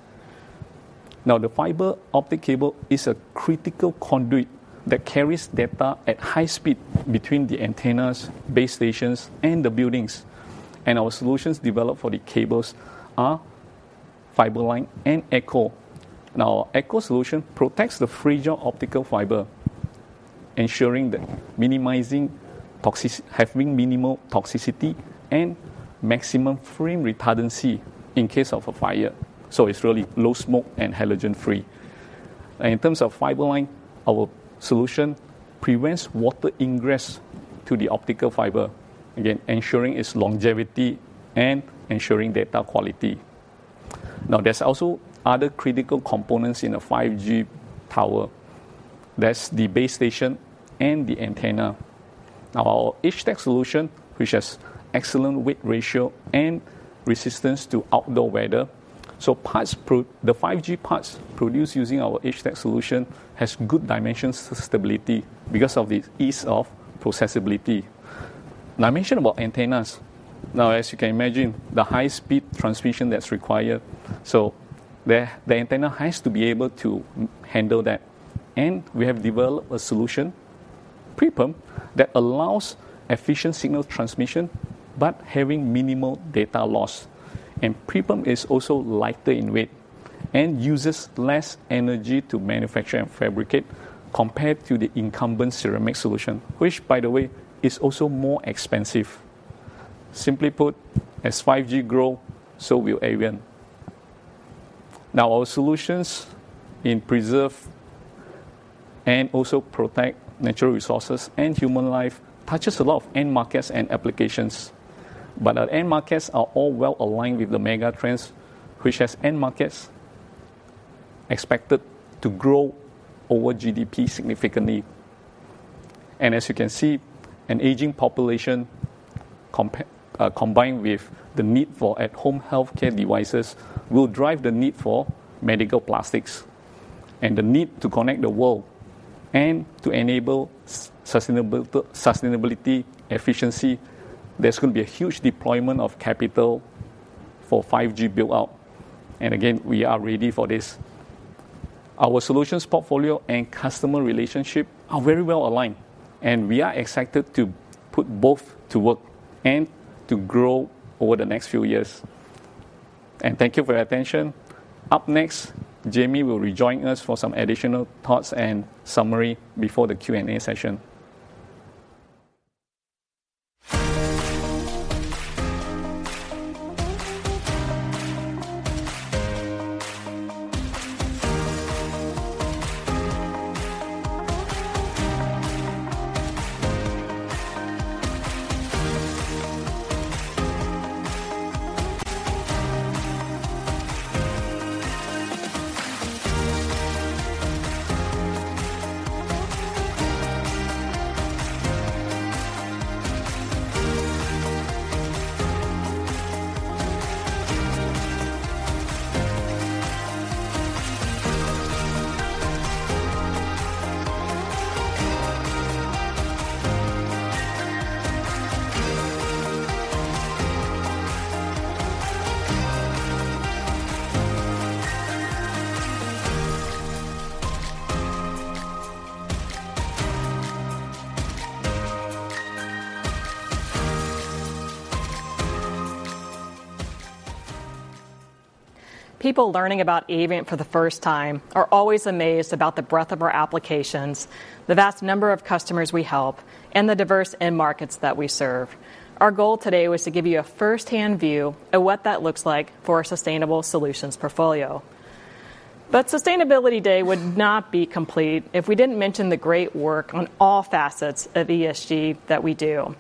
The fiber optic cable is a critical conduit that carries data at high speed between the antennas, base stations, and the buildings. Our solutions developed for the cables are Fiber-Line and ECCOH. Our ECCOH solution protects the fragile optical fiber, ensuring that minimizing toxicity and maximum flame retardancy in case of a fire. It's really low smoke and halogen-free. In terms of Fiber-Line, our solution prevents water ingress to the optical fiber, again, ensuring its longevity and ensuring data quality. Now, there's also other critical components in a 5G tower. That's the base station and the antenna. Now, our Therma-Tech solution, which has excellent weight ratio and resistance to outdoor weather. So the 5G parts produced using our Therma-Tech solution has good dimensions for stability because of the ease of processability. Now, I mentioned about antennas. Now, as you can imagine, the high-speed transmission that's required, so the antenna has to be able to handle that. And we have developed a solution, PrePerm, that allows efficient signal transmission, but having minimal data loss. And PrePerm is also lighter in weight and uses less energy to manufacture and fabricate compared to the incumbent ceramic solution, which, by the way, is also more expensive. Simply put, as 5G grow, so will Avient. Now, our solutions in preserve and also protect natural resources and human life touches a lot of end markets and applications. But our end markets are all well-aligned with the mega trends, which has end markets expected to grow over GDP significantly. And as you can see, an aging population combined with the need for at-home healthcare devices, will drive the need for medical plastics and the need to connect the world, and to enable sustainable sustainability, efficiency. There's gonna be a huge deployment of capital for 5G build-out. And again, we are ready for this. Our solutions portfolio and customer relationship are very well aligned, and we are excited to put both to work and to grow over the next few years. And thank you for your attention. Up next, Jamie will rejoin us for some additional thoughts and summary before the Q&A session. People learning about Avient for the first time are always amazed about the breadth of our applications, the vast number of customers we help, and the diverse end markets that we serve. Our goal today was to give you a first-hand view of what that looks like for our sustainable solutions portfolio. Sustainability Day would not be complete if we didn't mention the great work on all facets of ESG that we do.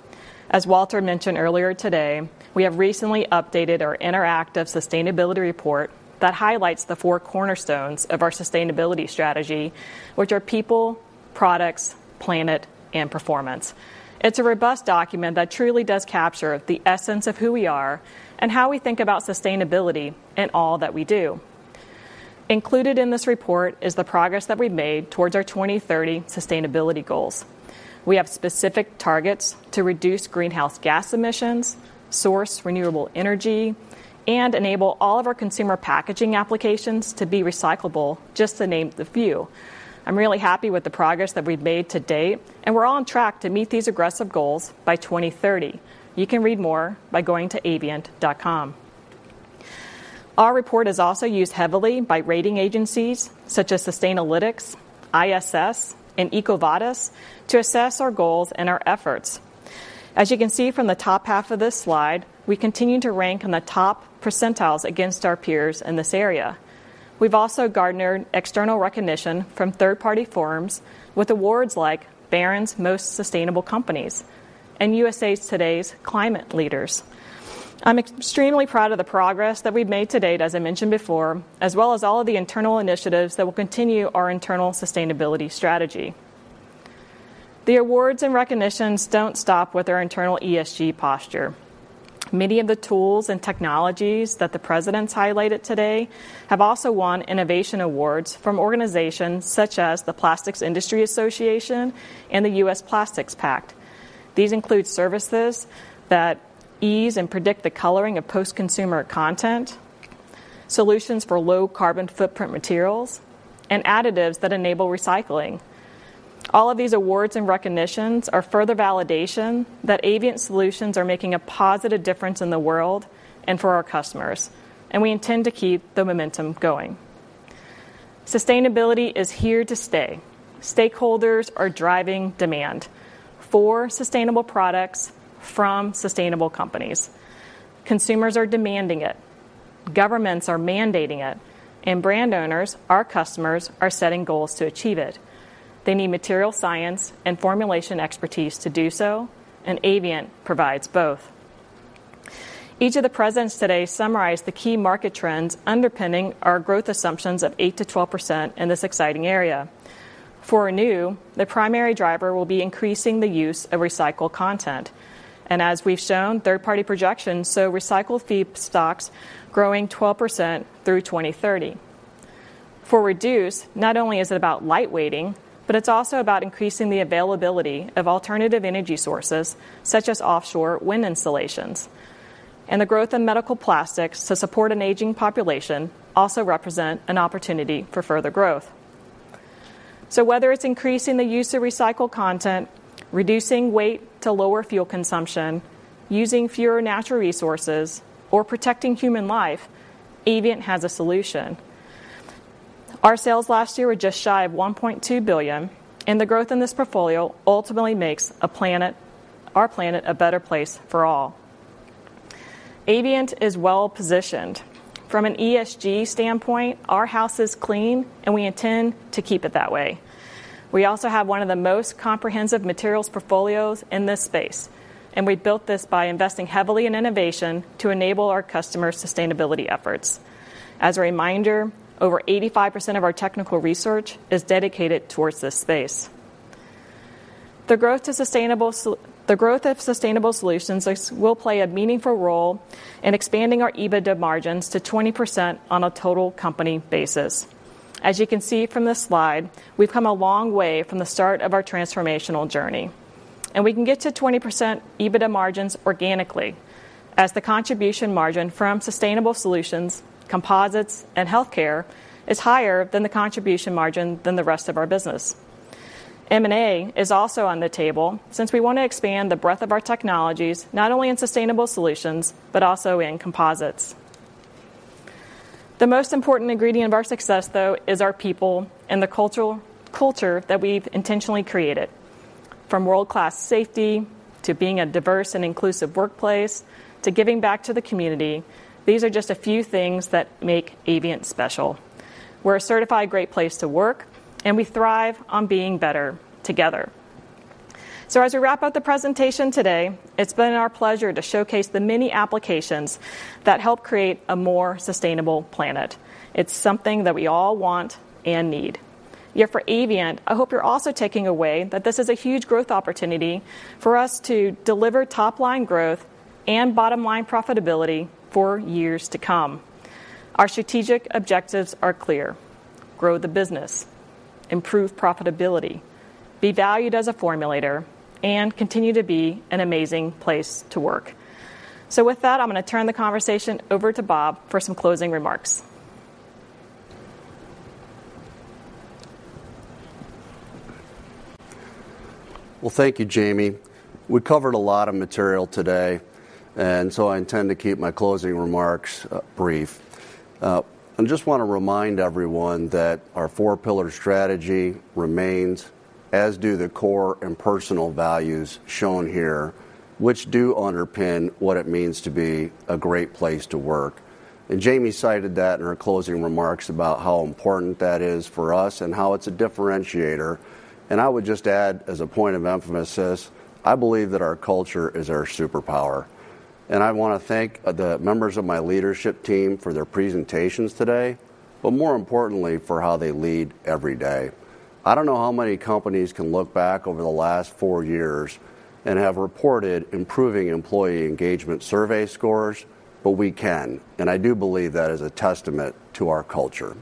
As Walter mentioned earlier today, we have recently updated our interactive sustainability report that highlights the four cornerstones of our sustainability strategy, which are people, products, planet, and performance. It's a robust document that truly does capture the essence of who we are and how we think about sustainability in all that we do. Included in this report is the progress that we've made towards our 2030 sustainability goals. We have specific targets to reduce greenhouse gas emissions, source renewable energy, and enable all of our consumer packaging applications to be recyclable, just to name a few. I'm really happy with the progress that we've made to date, and we're on track to meet these aggressive goals by 2030. You can read more by going to avient.com. Our report is also used heavily by rating agencies, such as Sustainalytics, ISS, and EcoVadis, to assess our goals and our efforts. As you can see from the top half of this slide, we continue to rank in the top percentiles against our peers in this area. We've also garnered external recognition from third-party forums with awards like Barron's Most Sustainable Companies and USA Today's Climate Leaders. I'm extremely proud of the progress that we've made to date, as I mentioned before, as well as all of the internal initiatives that will continue our internal sustainability strategy. The awards and recognitions don't stop with our internal ESG posture. Many of the tools and technologies that the presidents highlighted today have also won innovation awards from organizations such as the Plastics Industry Association and the U.S. Plastics Pact. These include services that ease and predict the coloring of post-consumer content, solutions for low carbon footprint materials, and additives that enable recycling. All of these awards and recognitions are further validation that Avient Solutions are making a positive difference in the world and for our customers, and we intend to keep the momentum going. Sustainability is here to stay. Stakeholders are driving demand for sustainable products from sustainable companies. Consumers are demanding it, governments are mandating it, and brand owners, our customers, are setting goals to achieve it. They need material science and formulation expertise to do so, and Avient provides both. Each of the presidents today summarized the key market trends underpinning our growth assumptions of 8%-12% in this exciting area. For renew, the primary driver will be increasing the use of recycled content, and as we've shown, third-party projections, so recycled feedstocks growing 12% through 2030. For reduce, not only is it about lightweighting, but it's also about increasing the availability of alternative energy sources, such as offshore wind installations. The growth in medical plastics to support an aging population also represent an opportunity for further growth. So whether it's increasing the use of recycled content, reducing weight to lower fuel consumption, using fewer natural resources, or protecting human life, Avient has a solution. Our sales last year were just shy of $1.2 billion, and the growth in this portfolio ultimately makes a planet, our planet, a better place for all. Avient is well positioned. From an ESG standpoint, our house is clean, and we intend to keep it that way. We also have one of the most comprehensive materials portfolios in this space, and we built this by investing heavily in innovation to enable our customers' sustainability efforts. As a reminder, over 85% of our technical research is dedicated towards this space. The growth of sustainable solutions will play a meaningful role in expanding our EBITDA margins to 20% on a total company basis. As you can see from this slide, we've come a long way from the start of our transformational journey, and we can get to 20% EBITDA margins organically, as the contribution margin from Sustainable Solutions, Composites, and Healthcare is higher than the contribution margin than the rest of our business. M&A is also on the table since we want to expand the breadth of our technologies, not only in Sustainable Solutions, but also in Composites. The most important ingredient of our success, though, is our people and the culture that we've intentionally created. From world-class safety to being a diverse and inclusive workplace, to giving back to the community, these are just a few things that make Avient special. We're a certified great place to work, and we thrive on being better together. So as we wrap up the presentation today, it's been our pleasure to showcase the many applications that help create a more sustainable planet. It's something that we all want and need. Yet for Avient, I hope you're also taking away that this is a huge growth opportunity for us to deliver top-line growth and bottom-line profitability for years to come. Our strategic objectives are clear: grow the business, improve profitability, be valued as a formulator, and continue to be an amazing place to work. So with that, I'm gonna turn the conversation over to Bob for some closing remarks. Well, thank you, Jamie. We covered a lot of material today, and so I intend to keep my closing remarks brief. I just want to remind everyone that our four-pillar strategy remains, as do the core and personal values shown here, which do underpin what it means to be a great place to work. Jamie cited that in her closing remarks about how important that is for us and how it's a differentiator. I would just add, as a point of emphasis, I believe that our culture is our superpower, and I wanna thank the members of my leadership team for their presentations today, but more importantly, for how they lead every day. I don't know how many companies can look back over the last four years and have reported improving employee engagement survey scores, but we can, and I do believe that is a testament to our culture.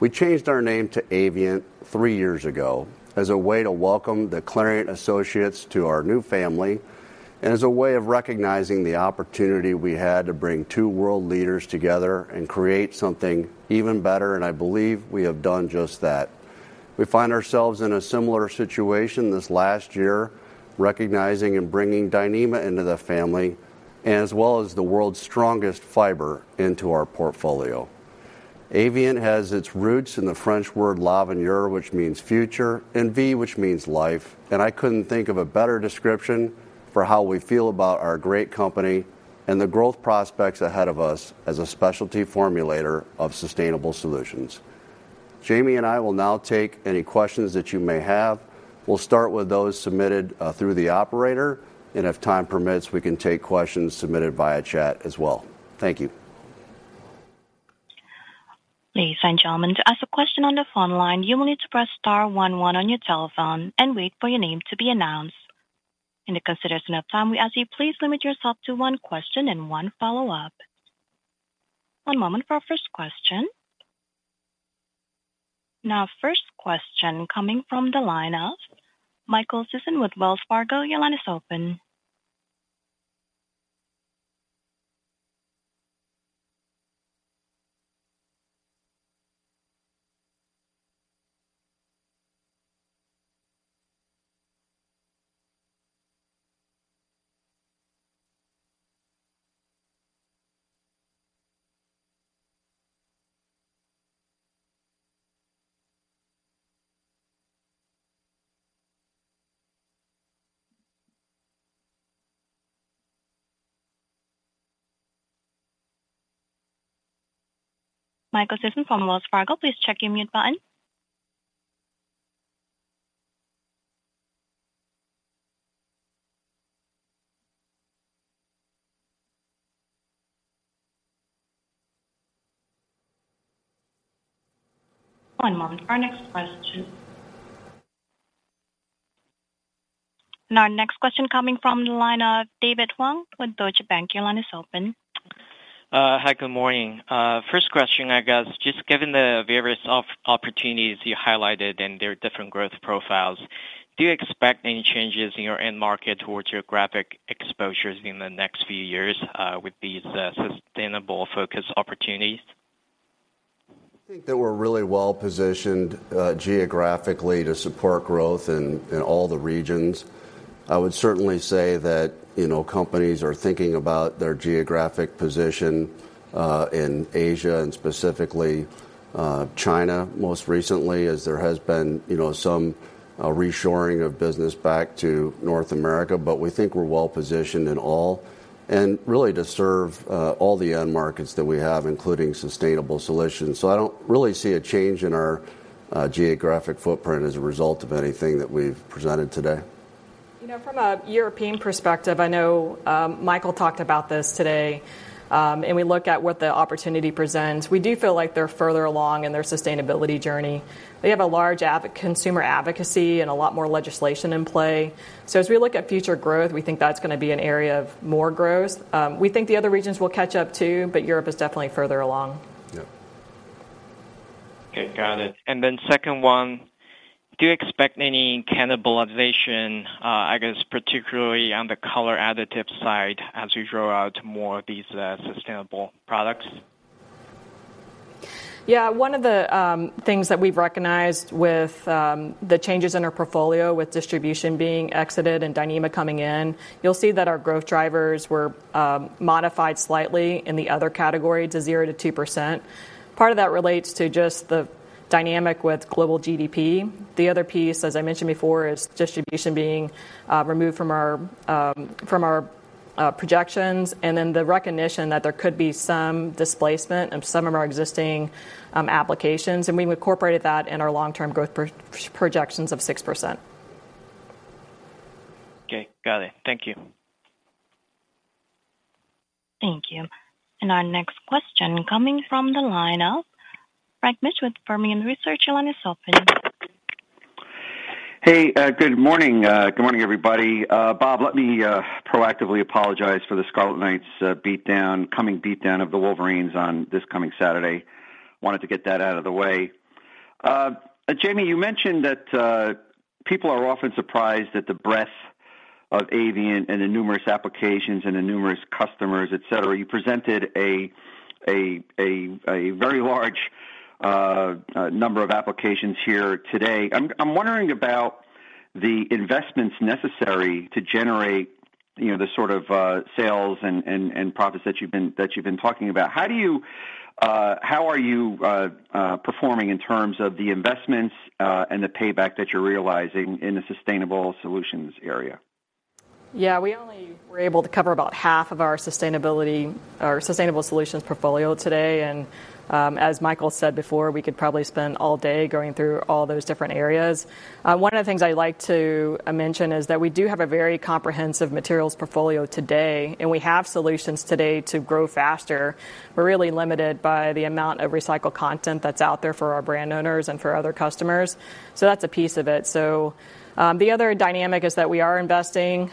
We changed our name to Avient three years ago as a way to welcome the Clariant associates to our new family and as a way of recognizing the opportunity we had to bring two world leaders together and create something even better, and I believe we have done just that.... We find ourselves in a similar situation this last year, recognizing and bringing Dyneema into the family, and as well as the world's strongest fiber into our portfolio. Avient has its roots in the French word l'avenir, which means future, and vie, which means life, and I couldn't think of a better description for how we feel about our great company and the growth prospects ahead of us as a specialty formulator of sustainable solutions. Jamie and I will now take any questions that you may have. We'll start with those submitted through the operator, and if time permits, we can take questions submitted via chat as well. Thank you. Ladies and gentlemen, to ask a question on the phone line, you will need to press star one one on your telephone and wait for your name to be announced. In the consideration of time, we ask you, please limit yourself to one question and one follow-up. One moment for our first question. Now, first question coming from the line of Michael Sison with Wells Fargo. Your line is open. Michael Sison from Wells Fargo, please check your mute button. One moment for our next question. And our next question coming from the line of David Huang with Deutsche Bank. Your line is open. Hi, good morning. First question, I guess, just given the various opportunities you highlighted and their different growth profiles, do you expect any changes in your end market towards your geographic exposures in the next few years, with these sustainable focus opportunities? I think that we're really well positioned, geographically to support growth in, in all the regions. I would certainly say that, you know, companies are thinking about their geographic position, in Asia and specifically, China most recently, as there has been, you know, some, reshoring of business back to North America. But we think we're well positioned in all, and really to serve, all the end markets that we have, including sustainable solutions. So I don't really see a change in our, geographic footprint as a result of anything that we've presented today. You know, from a European perspective, I know, Michael talked about this today, and we look at what the opportunity presents. We do feel like they're further along in their sustainability journey. They have a large consumer advocacy and a lot more legislation in play. So as we look at future growth, we think that's gonna be an area of more growth. We think the other regions will catch up, too, but Europe is definitely further along. Yeah. Okay, got it. And then second one, do you expect any cannibalization, I guess, particularly on the color additive side, as we roll out more of these sustainable products? Yeah. One of the things that we've recognized with the changes in our portfolio, with distribution being exited and Dyneema coming in, you'll see that our growth drivers were modified slightly in the other category to 0%-2%. Part of that relates to just the dynamic with global GDP. The other piece, as I mentioned before, is distribution being removed from our projections, and then the recognition that there could be some displacement of some of our existing applications, and we incorporated that in our long-term growth projections of 6%. Okay. Got it. Thank you. Thank you. Our next question coming from the line of Frank Mitsch with Fermium Research. Your line is open. Hey, good morning. Good morning, everybody. Bob, let me proactively apologize for the Scarlet Knights beatdown, coming beatdown of the Wolverines on this coming Saturday. Wanted to get that out of the way. Jamie, you mentioned that people are often surprised at the breadth of Avient and the numerous applications and the numerous customers, et cetera. You presented a very large number of applications here today. I'm wondering about the investments necessary to generate, you know, the sort of sales and profits that you've been talking about. How are you performing in terms of the investments and the payback that you're realizing in the sustainable solutions area? Yeah, we only were able to cover about half of our sustainability, our sustainable solutions portfolio today, and, as Michael said before, we could probably spend all day going through all those different areas. One of the things I'd like to mention is that we do have a very comprehensive materials portfolio today, and we have solutions today to grow faster. We're really limited by the amount of recycled content that's out there for our brand owners and for other customers, so that's a piece of it. So, the other dynamic is that we are investing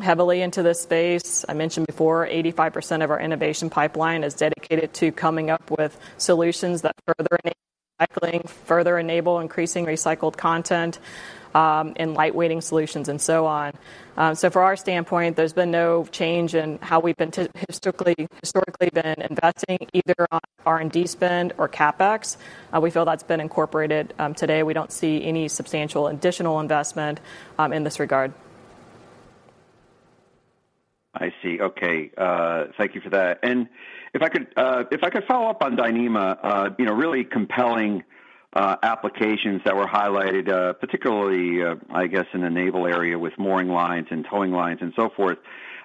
heavily into this space. I mentioned before, 85% of our innovation pipeline is dedicated to coming up with solutions that further enable increasing recycled content, and lightweighting solutions and so on. From our standpoint, there's been no change in how we've historically been investing either on R&D spend or CapEx. We feel that's been incorporated today. We don't see any substantial additional investment in this regard. I see. Okay, thank you for that. And if I could follow up on Dyneema, you know, really compelling applications that were highlighted, particularly, I guess, in the naval area with mooring lines and towing lines and so forth.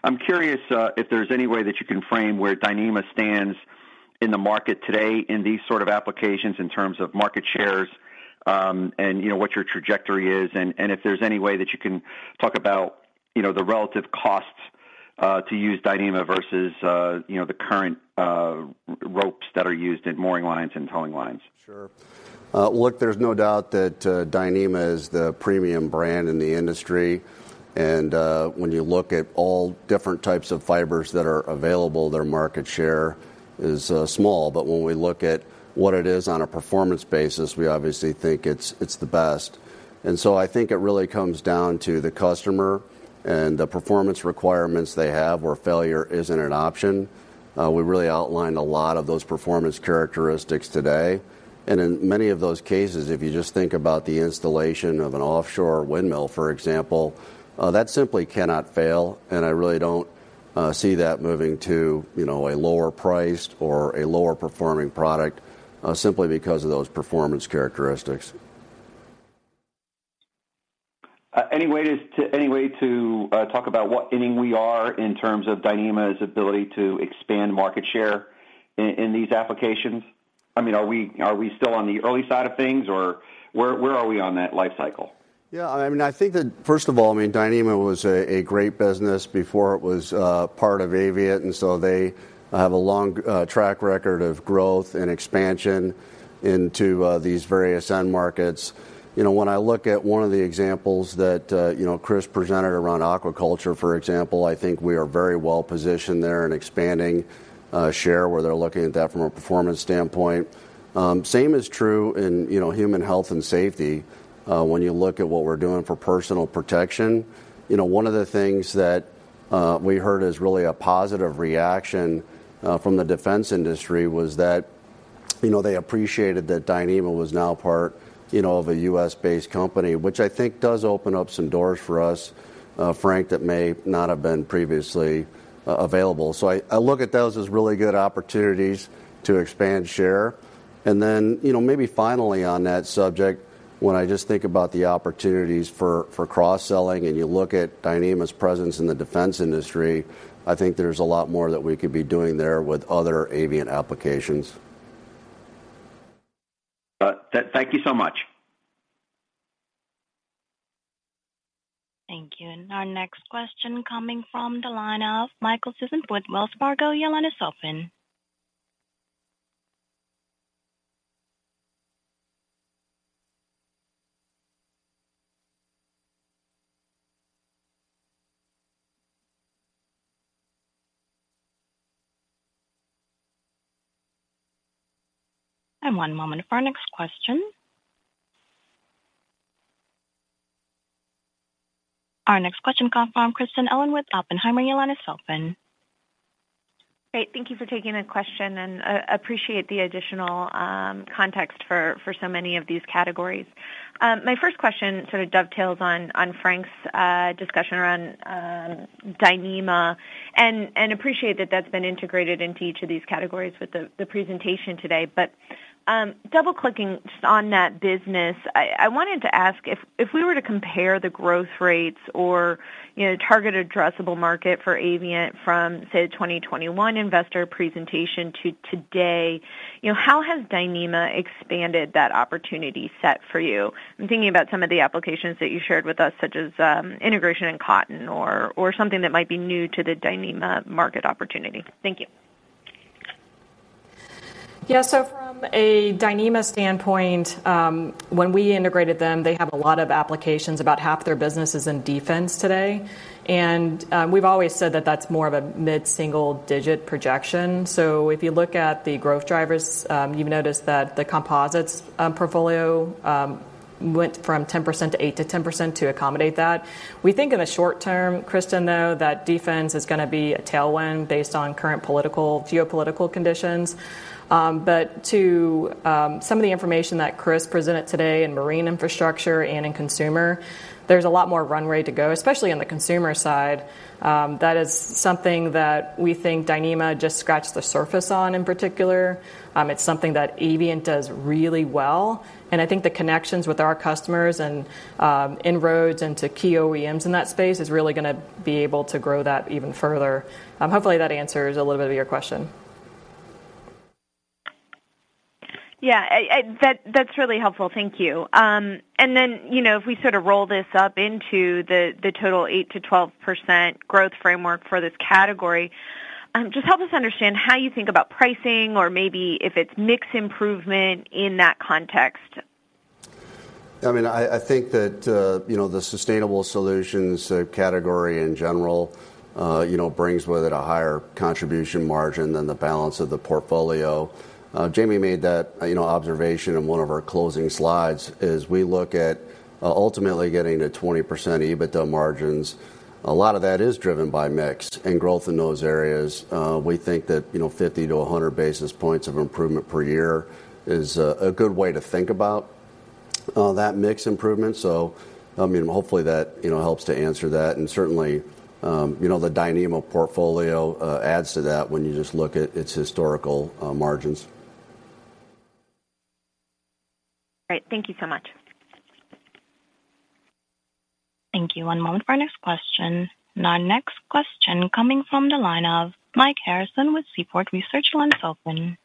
I'm curious if there's any way that you can frame where Dyneema stands in the market today in these sort of applications in terms of market shares, and, you know, what your trajectory is, and if there's any way that you can talk about, you know, the relative costs to use Dyneema versus, you know, the current ropes that are used in mooring lines and towing lines. Sure. Look, there's no doubt that Dyneema is the premium brand in the industry. And when you look at all different types of fibers that are available, their market share is small. But when we look at what it is on a performance basis, we obviously think it's, it's the best. And so I think it really comes down to the customer and the performance requirements they have, where failure isn't an option. We really outlined a lot of those performance characteristics today, and in many of those cases, if you just think about the installation of an offshore windmill, for example, that simply cannot fail, and I really don't see that moving to, you know, a lower priced or a lower performing product simply because of those performance characteristics. Any way to talk about what inning we are in terms of Dyneema's ability to expand market share in these applications? I mean, are we still on the early side of things, or where are we on that life cycle? Yeah, I mean, I think that first of all, I mean, Dyneema was a great business before it was part of Avient, and so they have a long track record of growth and expansion into these various end markets. You know, when I look at one of the examples that you know, Chris presented around aquaculture, for example, I think we are very well-positioned there and expanding share, where they're looking at that from a performance standpoint. Same is true in, you know, human health and safety. When you look at what we're doing for personal protection, you know, one of the things that we heard as really a positive reaction from the defense industry was that, you know, they appreciated that Dyneema was now part, you know, of a U.S.-based company, which I think does open up some doors for us, Frank, that may not have been previously available. So I look at those as really good opportunities to expand share. And then, you know, maybe finally on that subject, when I just think about the opportunities for cross-selling, and you look at Dyneema's presence in the defense industry, I think there's a lot more that we could be doing there with other Avient applications. Thank you so much. Thank you. Our next question comes from the line of Michael Sison with Wells Fargo. Your line is open. One moment for our next question. Our next question comes from Kristen Owen with Oppenheimer. Your line is open. Great, thank you for taking the question, and appreciate the additional context for so many of these categories. My first question sort of dovetails on Frank's discussion around Dyneema, and appreciate that that's been integrated into each of these categories with the presentation today. But, double-clicking just on that business, I wanted to ask if we were to compare the growth rates or, you know, target addressable market for Avient from, say, the 2021 investor presentation to today, you know, how has Dyneema expanded that opportunity set for you? I'm thinking about some of the applications that you shared with us, such as integration in cotton or something that might be new to the Dyneema market opportunity. Thank you. Yeah, so from a Dyneema standpoint, when we integrated them, they have a lot of applications. About half of their business is in defense today, and, we've always said that that's more of a mid-single digit projection. So if you look at the growth drivers, you've noticed that the composites portfolio went from 10% to 8%-10% to accommodate that. We think in the short term, Kristen, though, that defense is gonna be a tailwind based on current geopolitical conditions. But to some of the information that Chris presented today in marine infrastructure and in consumer, there's a lot more runway to go, especially on the consumer side. That is something that we think Dyneema just scratched the surface on, in particular. It's something that Avient does really well, and I think the connections with our customers and inroads into key OEMs in that space is really gonna be able to grow that even further. Hopefully, that answers a little bit of your question. Yeah, that’s really helpful. Thank you. And then, you know, if we sort of roll this up into the total 8%-12% growth framework for this category, just help us understand how you think about pricing or maybe if it’s mix improvement in that context. I mean, I think that, you know, the sustainable solutions category in general, you know, brings with it a higher contribution margin than the balance of the portfolio. Jamie made that, you know, observation in one of our closing slides, is we look at, ultimately getting to 20% EBITDA margins. A lot of that is driven by mix and growth in those areas. We think that, you know, 50-100 basis points of improvement per year is a good way to think about that mix improvement. So, I mean, hopefully that, you know, helps to answer that. And certainly, you know, the Dyneema portfolio adds to that when you just look at its historical margins. Great. Thank you so much. Thank you. One moment for our next question. And our next question coming from the line of Mike Harrison with Seaport Research. Line's open.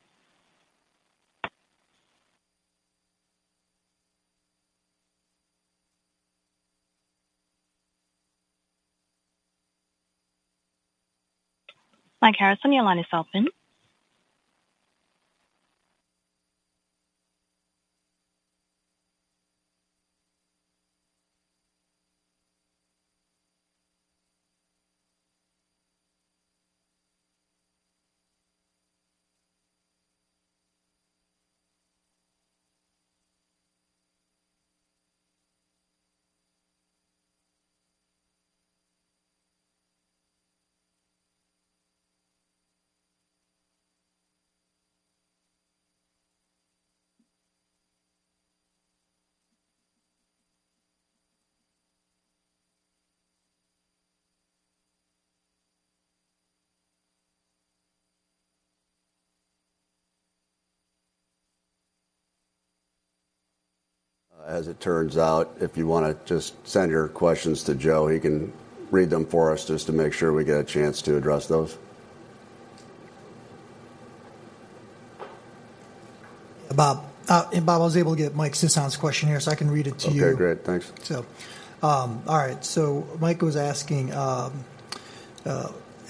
Mike Harrison, your line is open. As it turns out, if you wanna just send your questions to Joe, he can read them for us just to make sure we get a chance to address those. Bob, and Bob, I was able to get Mike Sison's question here, so I can read it to you. Okay, great. Thanks. All right. So Mike was asking: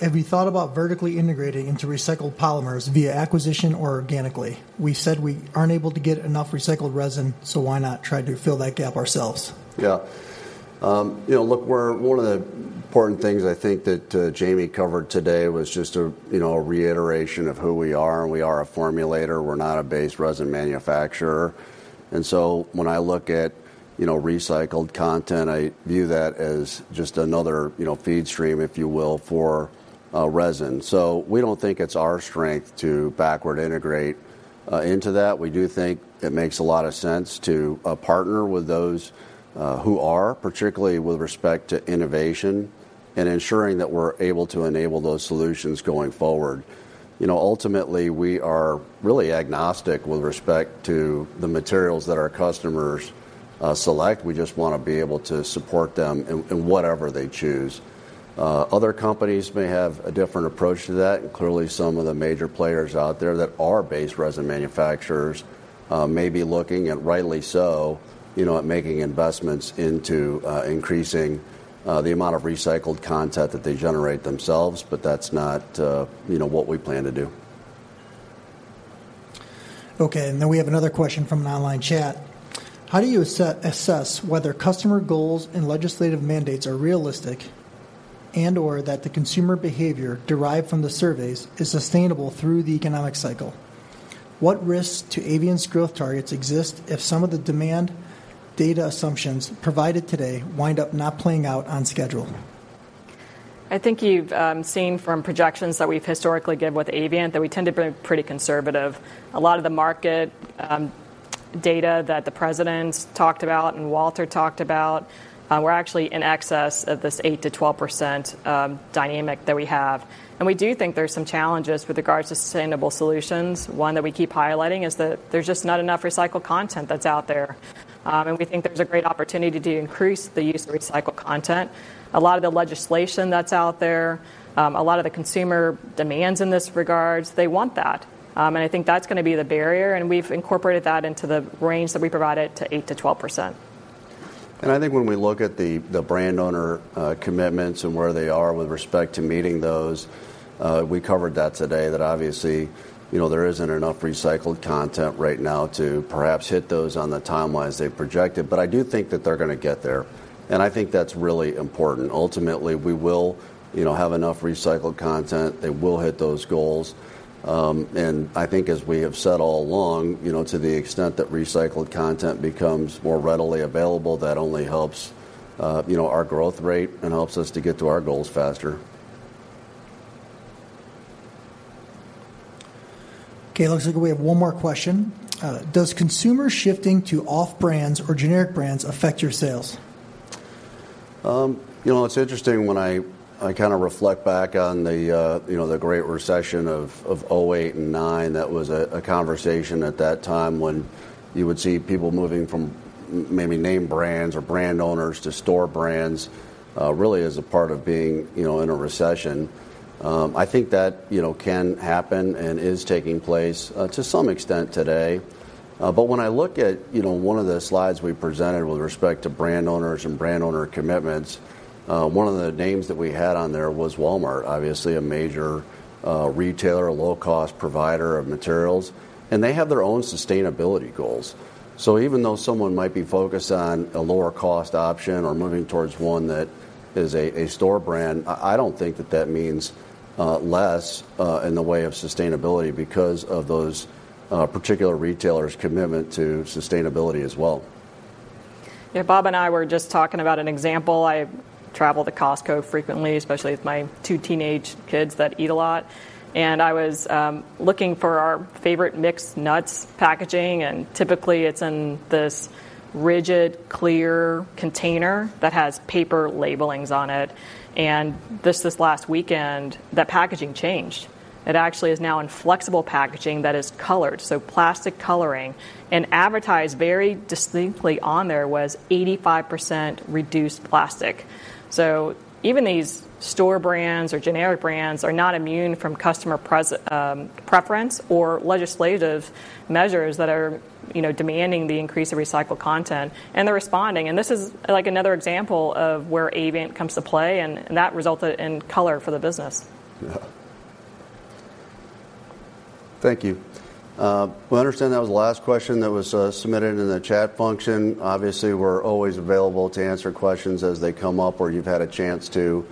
"Have you thought about vertically integrating into recycled polymers via acquisition or organically? We said we aren't able to get enough recycled resin, so why not try to fill that gap ourselves? Yeah. You know, look, we're one of the important things I think that Jamie covered today was just a, you know, a reiteration of who we are, and we are a formulator, we're not a base resin manufacturer. So when I look at, you know, recycled content, I view that as just another, you know, feed stream, if you will, for resin. So we don't think it's our strength to backward integrate into that. We do think it makes a lot of sense to partner with those who are, particularly with respect to innovation and ensuring that we're able to enable those solutions going forward. You know, ultimately, we are really agnostic with respect to the materials that our customers select. We just wanna be able to support them in whatever they choose. Other companies may have a different approach to that, and clearly, some of the major players out there that are base resin manufacturers may be looking, and rightly so, you know, at making investments into increasing the amount of recycled content that they generate themselves, but that's not, you know, what we plan to do. Okay, and then we have another question from an online chat: "How do you assess whether customer goals and legislative mandates are realistic, and/or that the consumer behavior derived from the surveys is sustainable through the economic cycle? What risks to Avient's growth targets exist if some of the demand data assumptions provided today wind up not playing out on schedule? I think you've seen from projections that we've historically given with Avient, that we tend to be pretty conservative. A lot of the market data that the president talked about and Walter talked about, we're actually in excess of this 8%-12% dynamic that we have. We do think there's some challenges with regards to sustainable solutions. One that we keep highlighting is that there's just not enough recycled content that's out there. And we think there's a great opportunity to increase the use of recycled content. A lot of the legislation that's out there, a lot of the consumer demands in this regards, they want that. And I think that's gonna be the barrier, and we've incorporated that into the range that we provided to 8%-12%. I think when we look at the brand owner commitments and where they are with respect to meeting those, we covered that today, that obviously, you know, there isn't enough recycled content right now to perhaps hit those on the timeline as they projected, but I do think that they're gonna get there, and I think that's really important. Ultimately, we will, you know, have enough recycled content. They will hit those goals. And I think as we have said all along, you know, to the extent that recycled content becomes more readily available, that only helps, you know, our growth rate and helps us to get to our goals faster. Okay, it looks like we have one more question. "Does consumer shifting to off-brands or generic brands affect your sales? You know, it's interesting, when I kinda reflect back on the, you know, the great recession of 2008 and 2009, that was a conversation at that time when you would see people moving from maybe name brands or brand owners to store brands, really as a part of being, you know, in a recession. I think that, you know, can happen and is taking place to some extent today. But when I look at, you know, one of the slides we presented with respect to brand owners and brand owner commitments, one of the names that we had on there was Walmart, obviously a major retailer, a low-cost provider of materials, and they have their own sustainability goals. So even though someone might be focused on a lower cost option or moving towards one that is a store brand, I don't think that means less in the way of sustainability because of those particular retailers' commitment to sustainability as well. Yeah, Bob and I were just talking about an example. I travel to Costco frequently, especially with my two teenage kids that eat a lot, and I was looking for our favorite mixed nuts packaging, and typically, it's in this rigid, clear container that has paper labelings on it, and just this last weekend, that packaging changed. It actually is now in flexible packaging that is colored, so plastic coloring, and advertised very distinctly on there was 85% reduced plastic. So even these store brands or generic brands are not immune from customer pressure, preference or legislative measures that are, you know, demanding the increase of recycled content, and they're responding, and this is, like, another example of where Avient comes to play, and, and that resulted in color for the business. Yeah. Thank you. Well, I understand that was the last question that was submitted in the chat function. Obviously, we're always available to answer questions as they come up, or you've had a chance to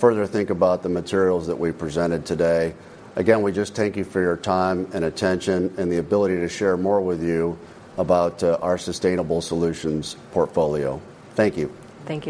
further think about the materials that we presented today. Again, we just thank you for your time and attention and the ability to share more with you about our sustainable solutions portfolio. Thank you. Thank you.